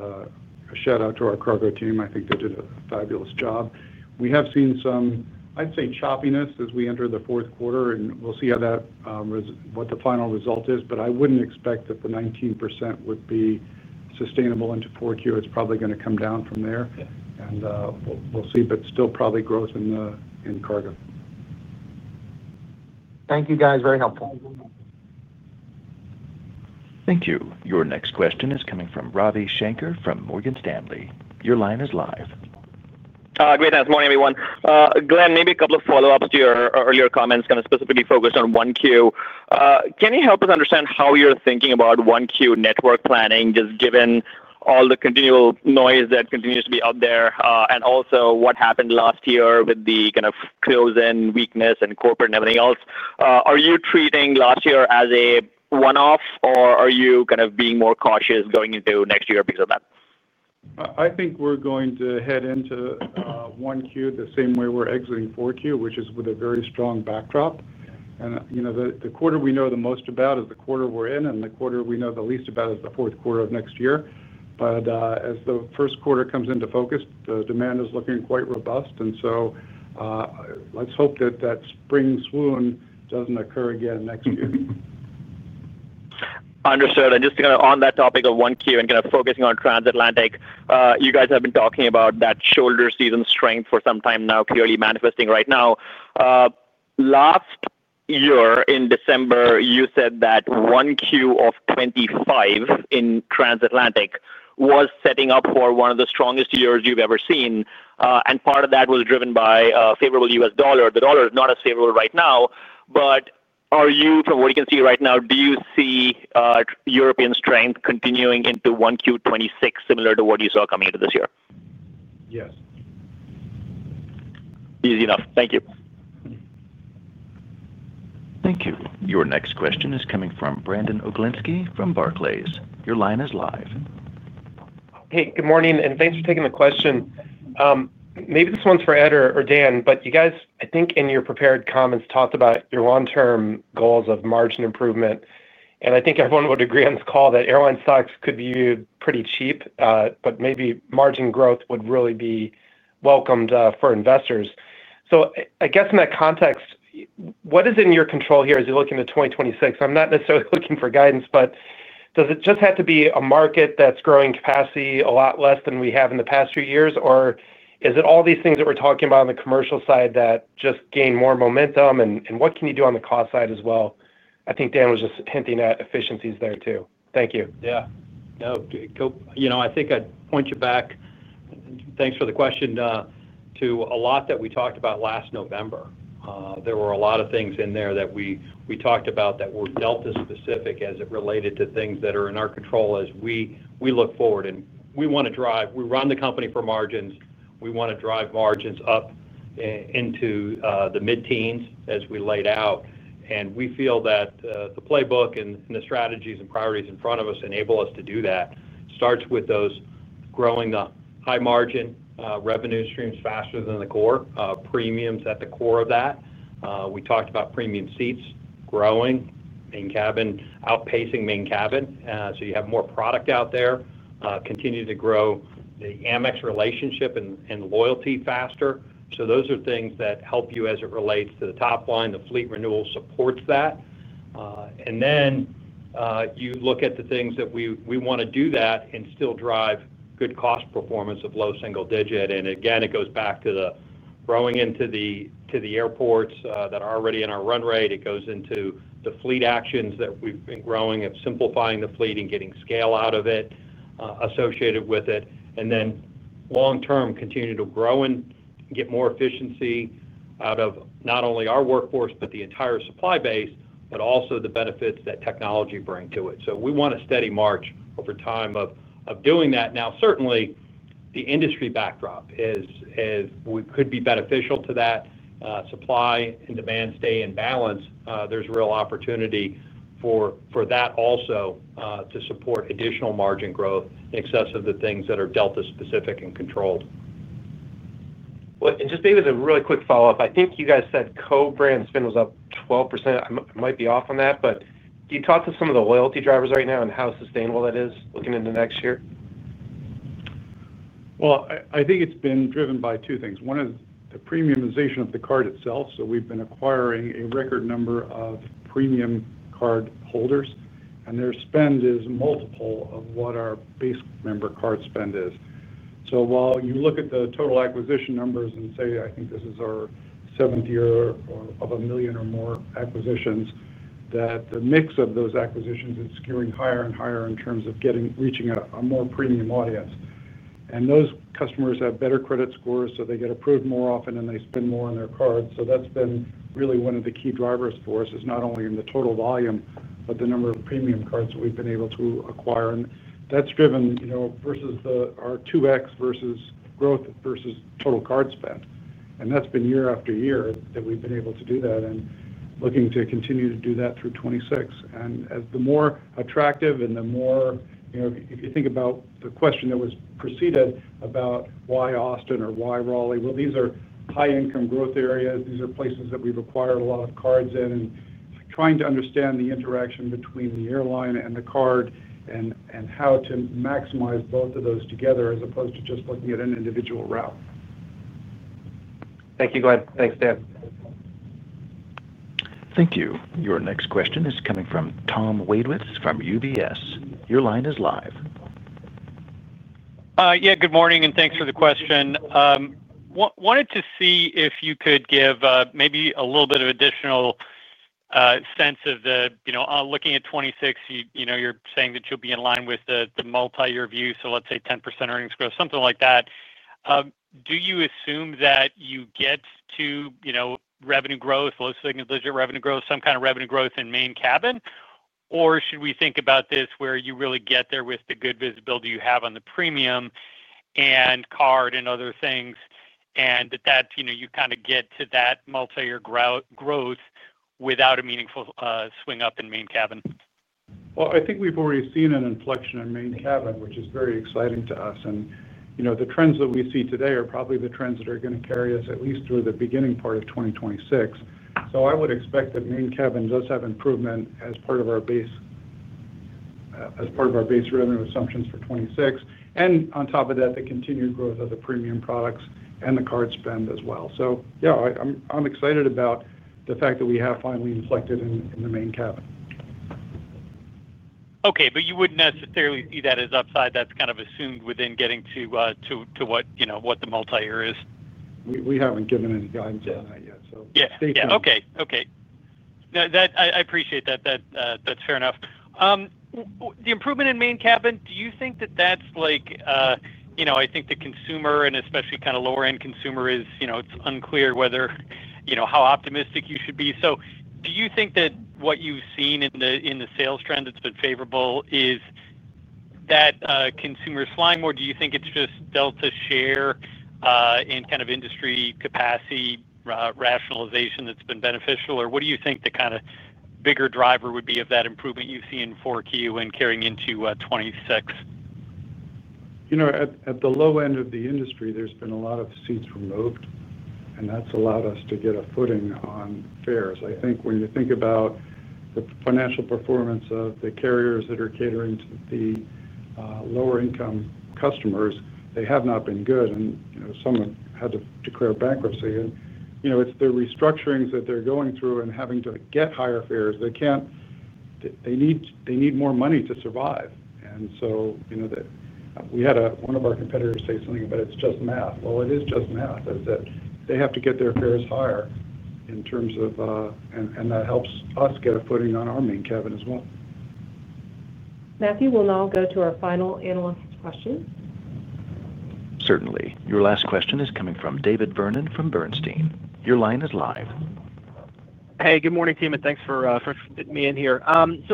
A shout out to our cargo team. I think they did a fabulous job. We have seen some, I'd say, choppiness as we enter the fourth quarter, and we'll see what the final result is. I wouldn't expect that the 19% would be sustainable into 4Q. It's probably going to come down from there. We'll see, but still probably growth in cargo. Thank you, guys. Very helpful. Thank you. Your next question is coming from Ravi Shankar from Morgan Stanley. Your line is live. Great. Good morning, everyone. Glen, maybe a couple of follow-ups to your earlier comments, kind of specifically focused on 1Q. Can you help us understand how you're thinking about 1Q network planning, just given all the continual noise that continues to be out there? Also, what happened last year with the kind of close-in weakness and corporate and everything else. Are you treating last year as a one-off, or are you kind of being more cautious going into next year because of that? I think we're going to head into 1Q the same way we're exiting 4Q, which is with a very strong backdrop. You know, the quarter we know the most about is the quarter we're in, and the quarter we know the least about is the fourth quarter of next year. As the first quarter comes into focus, the demand is looking quite robust. Let's hope that that spring swoon doesn't occur again next year. Understood. Just kind of on that topic of 1Q and kind of focusing on transatlantic, you guys have been talking about that shoulder season strength for some time now, clearly manifesting right now. Last year in December, you said that 1Q of 2025 in transatlantic was setting up for one of the strongest years you've ever seen. Part of that was driven by a favorable U.S. dollar. The dollar is not as favorable right now, but are you, from what you can see right now, do you see European strength continuing into 1Q 2026, similar to what you saw coming into this year? Yes. Easy enough. Thank you. Thank you. Your next question is coming from Brandon Oglenski from Barclays. Your line is live. Hey, good morning, and thanks for taking the question. Maybe this one's for Ed or Dan, but you guys, I think in your prepared comments, talked about your long-term goals of margin improvement. I think everyone would agree on this call that airline stocks could be viewed pretty cheap, but maybe margin growth would really be welcomed for investors. I guess in that context, what is in your control here as you look into 2026? I'm not necessarily looking for guidance, but does it just have to be a market that's growing capacity a lot less than we have in the past few years, or is it all these things that we're talking about on the commercial side that just gain more momentum? What can you do on the cost side as well? I think Dan was just hinting at efficiencies there too. Thank you. Yeah. No, you know, I think I'd point you back, thanks for the question, to a lot that we talked about last November. There were a lot of things in there that we talked about that were Delta-specific as it related to things that are in our control as we look forward. We want to drive, we run the company for margins. We want to drive margins up into the mid-teens as we laid out. We feel that the playbook and the strategies and priorities in front of us enable us to do that. It starts with those growing the high margin revenue streams faster than the core, premiums at the core of that. We talked about premium seats growing, main cabin outpacing main cabin. You have more product out there, continue to grow the Amex relationship and loyalty faster. Those are things that help you as it relates to the top line. The fleet renewal supports that. You look at the things that we want to do that and still drive good cost performance of low single digit. It goes back to the growing into the airports that are already in our run rate. It goes into the fleet actions that we've been growing of simplifying the fleet and getting scale out of it associated with it. Long-term, continue to grow and get more efficiency out of not only our workforce, but the entire supply base, but also the benefits that technology brings to it. We want a steady march over time of doing that. Certainly, the industry backdrop is we could be beneficial to that supply and demand stay in balance. There's real opportunity for that also to support additional margin growth in excess of the things that are Delta-specific and controlled. Just maybe as a really quick follow-up, I think you guys said co-brand spend was up 12%. I might be off on that, but do you talk to some of the loyalty drivers right now and how sustainable that is looking into next year? I think it's been driven by two things. One is the premiumization of the card itself. We've been acquiring a record number of premium card holders, and their spend is multiple of what our base member card spend is. While you look at the total acquisition numbers and say, I think this is our 70 or of a million or more acquisitions, the mix of those acquisitions is skewing higher and higher in terms of getting reaching a more premium audience. Those customers have better credit scores, so they get approved more often, and they spend more on their cards. That's been really one of the key drivers for us, not only in the total volume, but the number of premium cards that we've been able to acquire. That's driven, you know, versus our 2x versus growth versus total card spend. That's been year-after-year that we've been able to do that and looking to continue to do that through 2026. As the more attractive and the more, you know, if you think about the question that was preceded about why Austin or why Raleigh, these are high-income growth areas. These are places that we've acquired a lot of cards in and trying to understand the interaction between the airline and the card and how to maximize both of those together as opposed to just looking at an individual route. Thank you, Glen. Thanks, Dan. Thank you. Your next question is coming from Tom Wadewitz from UBS. Your line is live. Good morning, and thanks for the question. I wanted to see if you could give maybe a little bit of an additional sense of the, you know, looking at 2026, you're saying that you'll be in line with the multi-year view, so let's say 10% earnings growth, something like that. Do you assume that you get to, you know, revenue growth, low single digit revenue growth, some kind of revenue growth in main cabin? Or should we think about this where you really get there with the good visibility you have on the premium and card and other things, and that, you know, you kind of get to that multi-year growth without a meaningful swing up in main cabin? I think we've already seen an inflection in main cabin, which is very exciting to us. You know, the trends that we see today are probably the trends that are going to carry us at least through the beginning part of 2026. I would expect that main cabin does have improvement as part of our base, as part of our base revenue assumptions for 2026. On top of that, the continued growth of the premium products and the card spend as well. Yeah, I'm excited about the fact that we have finally inflected in the main cabin. Okay, you wouldn't necessarily see that as upside. That's kind of assumed within getting to what, you know, what the multi-year is? We haven't given any guidance on that yet. Okay. No, I appreciate that. That's fair enough. The improvement in main cabin, do you think that that's like, you know, I think the consumer and especially kind of lower-end consumer is, you know, it's unclear whether, you know, how optimistic you should be. Do you think that what you've seen in the sales trend that's been favorable is that consumer segment, or do you think it's just Delta's share in kind of industry capacity rationalization that's been beneficial? What do you think the bigger driver would be of that improvement you've seen in 4Q and carrying into 2026? You know, at the low end of the industry, there's been a lot of seats removed, and that's allowed us to get a footing on fares. I think when you think about the financial performance of the carriers that are catering to the lower-income customers, they have not been good, and some have had to declare bankruptcy. It's the restructurings that they're going through and having to get higher fares. They can't, they need more money to survive. One of our competitors said something about it's just math. It is just math that they have to get their fares higher, and that helps us get a footing on our main cabin as well. Matthew, we'll now go to our final analyst's question. Certainly. Your last question is coming from David Vernon from Bernstein. Your line is live. Good morning, team, and thanks for fitting me in here.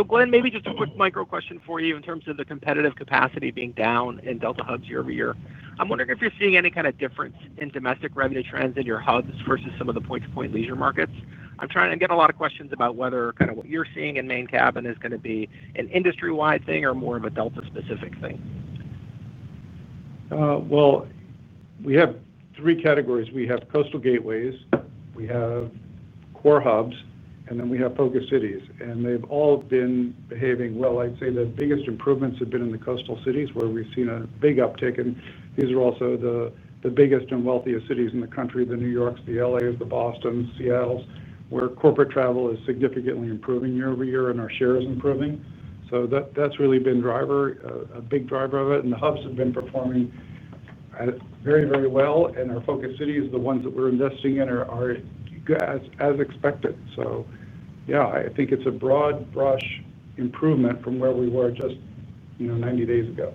Glen, maybe just a quick micro question for you in terms of the competitive capacity being down in Delta hubs year-over-year. I'm wondering if you're seeing any kind of difference in domestic revenue trends in your hubs versus some of the point-to-point leisure markets. I'm trying to get a lot of questions about whether what you're seeing in main cabin is going to be an industry-wide thing or more of a Delta-specific thing. We have three categories. We have coastal gateways, we have core hubs, and then we have focused cities. They've all been behaving well. I'd say the biggest improvements have been in the coastal cities where we've seen a big uptick. These are also the biggest and wealthiest cities in the country, the New Yorks, the Los Angeles, the Bostons, the Seattles, where corporate travel is significantly improving year-over-year and our share is improving. That's really been a big driver of it. The hubs have been performing very, very well. Our focused cities, the ones that we're investing in, are as expected. I think it's a broad brush improvement from where we were just, you know, 90 days ago.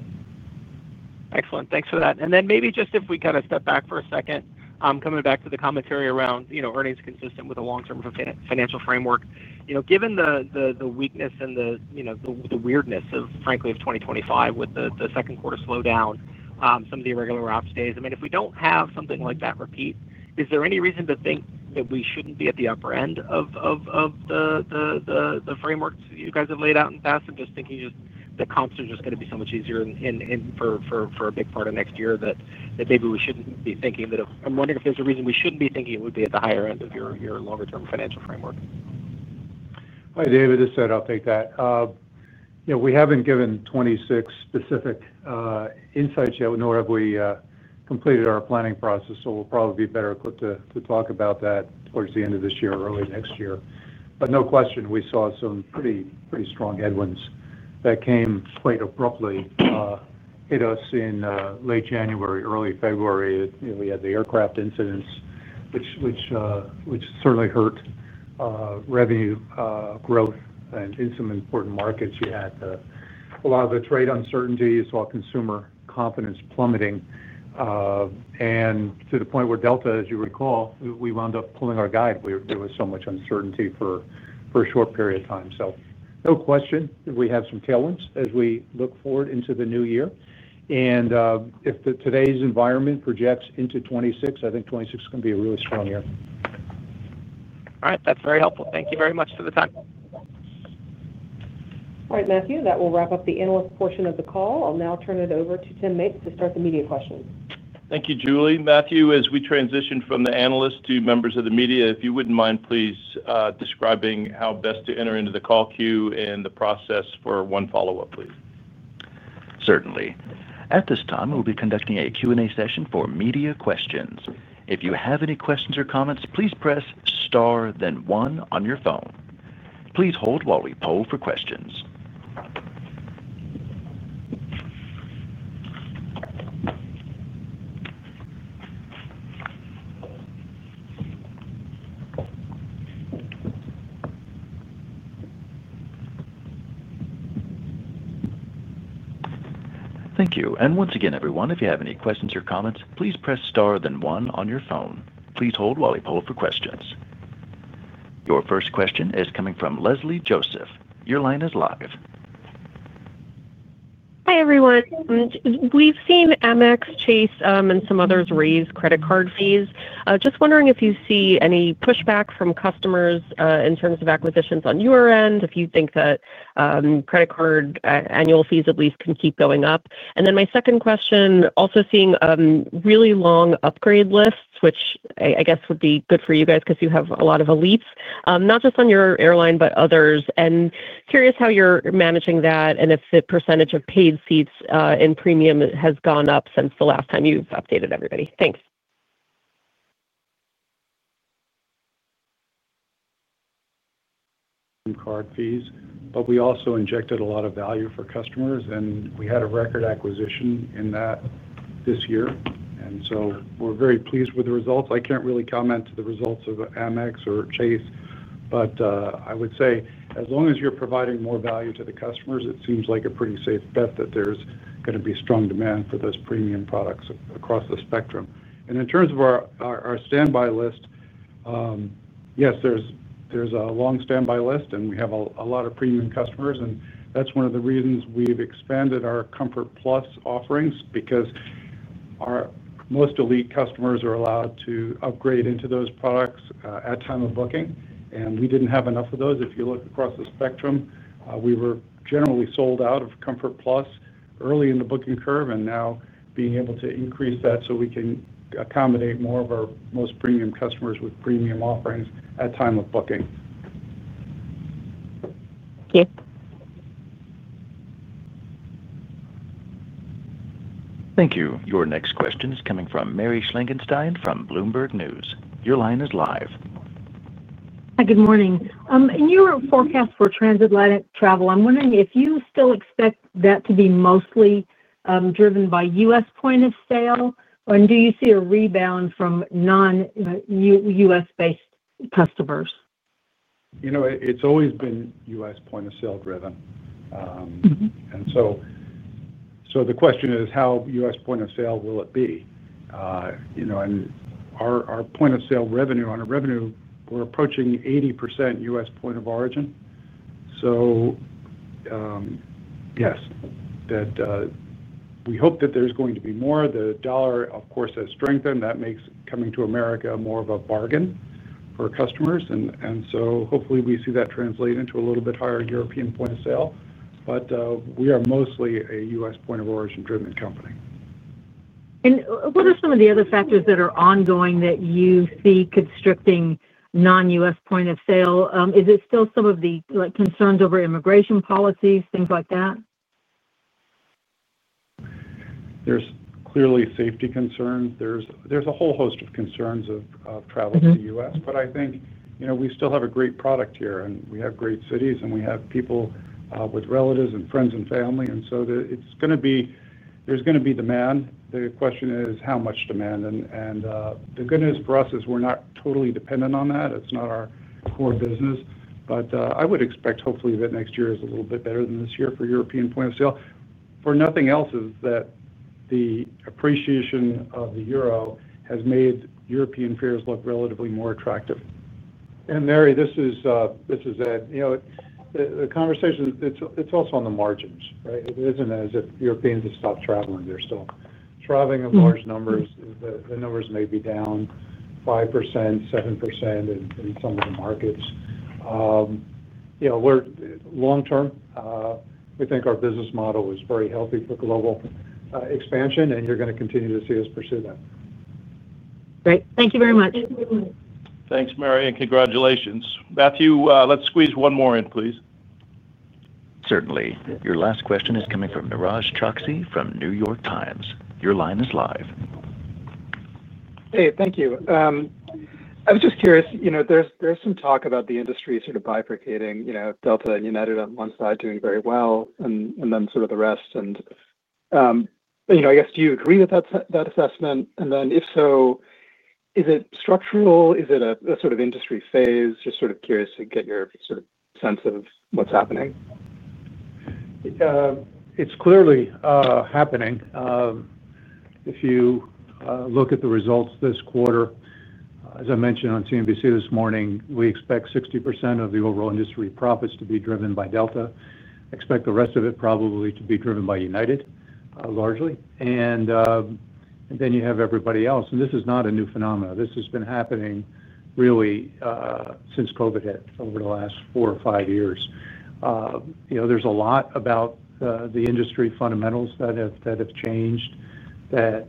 Excellent. Thanks for that. If we kind of step back for a second, coming back to the commentary around, you know, earnings consistent with a long-term financial framework, given the weakness and the, you know, the weirdness of, frankly, of 2025 with the second quarter slowdown, some of the irregular ops days. If we don't have something like that repeat, is there any reason to think that we shouldn't be at the upper end of the frameworks you guys have laid out in the past? I'm just thinking that comps are just going to be so much easier for a big part of next year that maybe we shouldn't be thinking that. I'm wondering if there's a reason we shouldn't be thinking it would be at the higher end of your longer-term financial framework. Hi, David. I'll take that. You know, we haven't given 2026 specific insights yet, nor have we completed our planning process. We'll probably be better equipped to talk about that towards the end of this year, early next year. No question, we saw some pretty strong headwinds that came quite abruptly. It hit us in late January, early February. We had the aircraft incidents, which certainly hurt revenue growth in some important markets. You had a lot of the trade uncertainty as well as consumer confidence plummeting. To the point where Delta Air Lines, as you recall, we wound up pulling our guide. There was so much uncertainty for a short period of time. No question, we have some tailwinds as we look forward into the new year. If today's environment projects into 2026, I think 2026 is going to be a really strong year. All right. That's very helpful. Thank you very much for the time. All right, Matthew, that will wrap up the analyst portion of the call. I'll now turn it over to Tim Mapes to start the media questions. Thank you, Julie. Matthew, as we transition from the analyst to members of the media, if you wouldn't mind, please describe how best to enter into the call queue and the process for one follow-up, please. Certainly. At this time, we'll be conducting a Q&A session for media questions. If you have any questions or comments, please press star then one on your phone. Please hold while we poll for questions. Thank you. Once again, everyone, if you have any questions or comments, please press star then one on your phone. Please hold while we poll for questions. Your first question is coming from Leslie Joseph. Your line is live. Hi, everyone. We've seen American Express, Chase, and some others raise credit card fees. Just wondering if you see any pushback from customers in terms of acquisitions on your end, if you think that credit card annual fees at least can keep going up. My second question, also seeing really long upgrade lists, which I guess would be good for you guys because you have a lot of elites, not just on your airline, but others. Curious how you're managing that and if the percentage of paid seats in premium has gone up since the last time you've updated everybody. Thanks. Card fees, but we also injected a lot of value for customers, and we had a record acquisition in that this year. We are very pleased with the results. I can't really comment to the results of American Express or Chase, but I would say as long as you're providing more value to the customers, it seems like a pretty safe bet that there's going to be strong demand for those premium products across the spectrum. In terms of our standby list, yes, there's a long standby list, and we have a lot of premium customers. That is one of the reasons we've expanded our Comfort+ offerings because our most elite customers are allowed to upgrade into those products at time of booking. We didn't have enough of those. If you look across the spectrum, we were generally sold out of Comfort+ early in the booking curve, and now being able to increase that so we can accommodate more of our most premium customers with premium offerings at time of booking. Thank you. Thank you. Your next question is coming from Mary Schlangenstein from Bloomberg News. Your line is live. Hi, good morning. In your forecast for transatlantic travel, I'm wondering if you still expect that to be mostly driven by U.S. point of sale, and do you see a rebound from non-U.S.-based customers? You know, it's always been U.S. point of sale driven. The question is how U.S. point of sale will it be? You know, and our point of sale revenue on a revenue, we're approaching 80% U.S. point of origin. Yes, we hope that there's going to be more. The dollar, of course, has strengthened. That makes coming to America more of a bargain for customers. Hopefully we see that translate into a little bit higher European point of sale. We are mostly a U.S. point of origin-driven company. What are some of the other factors that are ongoing that you see constricting non-U.S. point of sale? Is it still some of the concerns over immigration policies, things like that? There are clearly safety concerns. There is a whole host of concerns of travel to the U.S. I think, you know, we still have a great product here, and we have great cities, and we have people with relatives and friends and family. There is going to be demand. The question is how much demand. The good news for us is we're not totally dependent on that. It's not our core business. I would expect hopefully that next year is a little bit better than this year for European point of sale. If for nothing else, the appreciation of the euro has made European fares look relatively more attractive. Mary, this is Ed. You know, the conversation, it's also on the margins, right? It isn't as if Europeans have stopped traveling. They're still traveling in large numbers. The numbers may be down 5%, 7% in some of the markets. You know, we're long-term. We think our business model is very healthy for global expansion, and you're going to continue to see us pursue that. Great. Thank you very much. Thanks, Mary, and congratulations. Matthew, let's squeeze one more in, please. Certainly. Your last question is coming from Niraj Chokshi from The New York Times. Your line is live. Thank you. I was just curious, you know, there's some talk about the industry sort of bifurcating, you know, Delta and United on one side doing very well, and then sort of the rest. I guess, do you agree with that assessment? If so, is it structural? Is it a sort of industry phase? Just sort of curious to get your sort of sense of what's happening. It's clearly happening. If you look at the results this quarter, as I mentioned on CNBC this morning, we expect 60% of the overall industry profits to be driven by Delta. I expect the rest of it probably to be driven by United largely. Then you have everybody else. This is not a new phenomenon. This has been happening really since COVID hit over the last four or five years. There's a lot about the industry fundamentals that have changed, that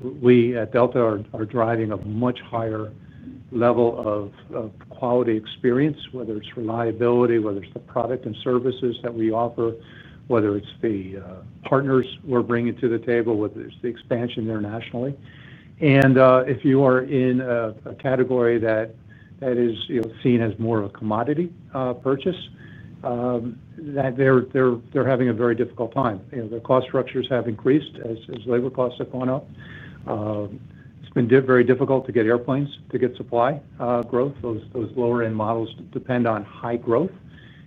we at Delta are driving a much higher level of quality experience, whether it's reliability, whether it's the product and services that we offer, whether it's the partners we're bringing to the table, whether it's the expansion internationally. If you are in a category that is seen as more of a commodity purchase, they're having a very difficult time. Their cost structures have increased as labor costs have gone up. It's been very difficult to get airplanes to get supply growth. Those lower-end models depend on high growth.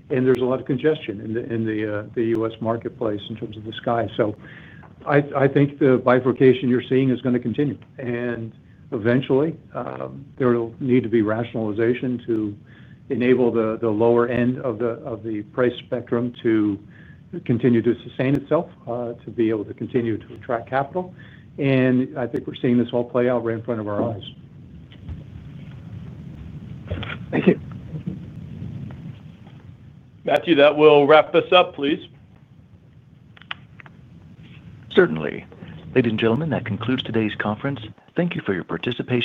There's a lot of congestion in the U.S. marketplace in terms of the sky. I think the bifurcation you're seeing is going to continue. Eventually, there will need to be rationalization to enable the lower end of the price spectrum to continue to sustain itself, to be able to continue to attract capital. I think we're seeing this all play out right in front of our eyes. Matthew, that will wrap us up, please. Certainly. Ladies and gentlemen, that concludes today's conference. Thank you for your participation.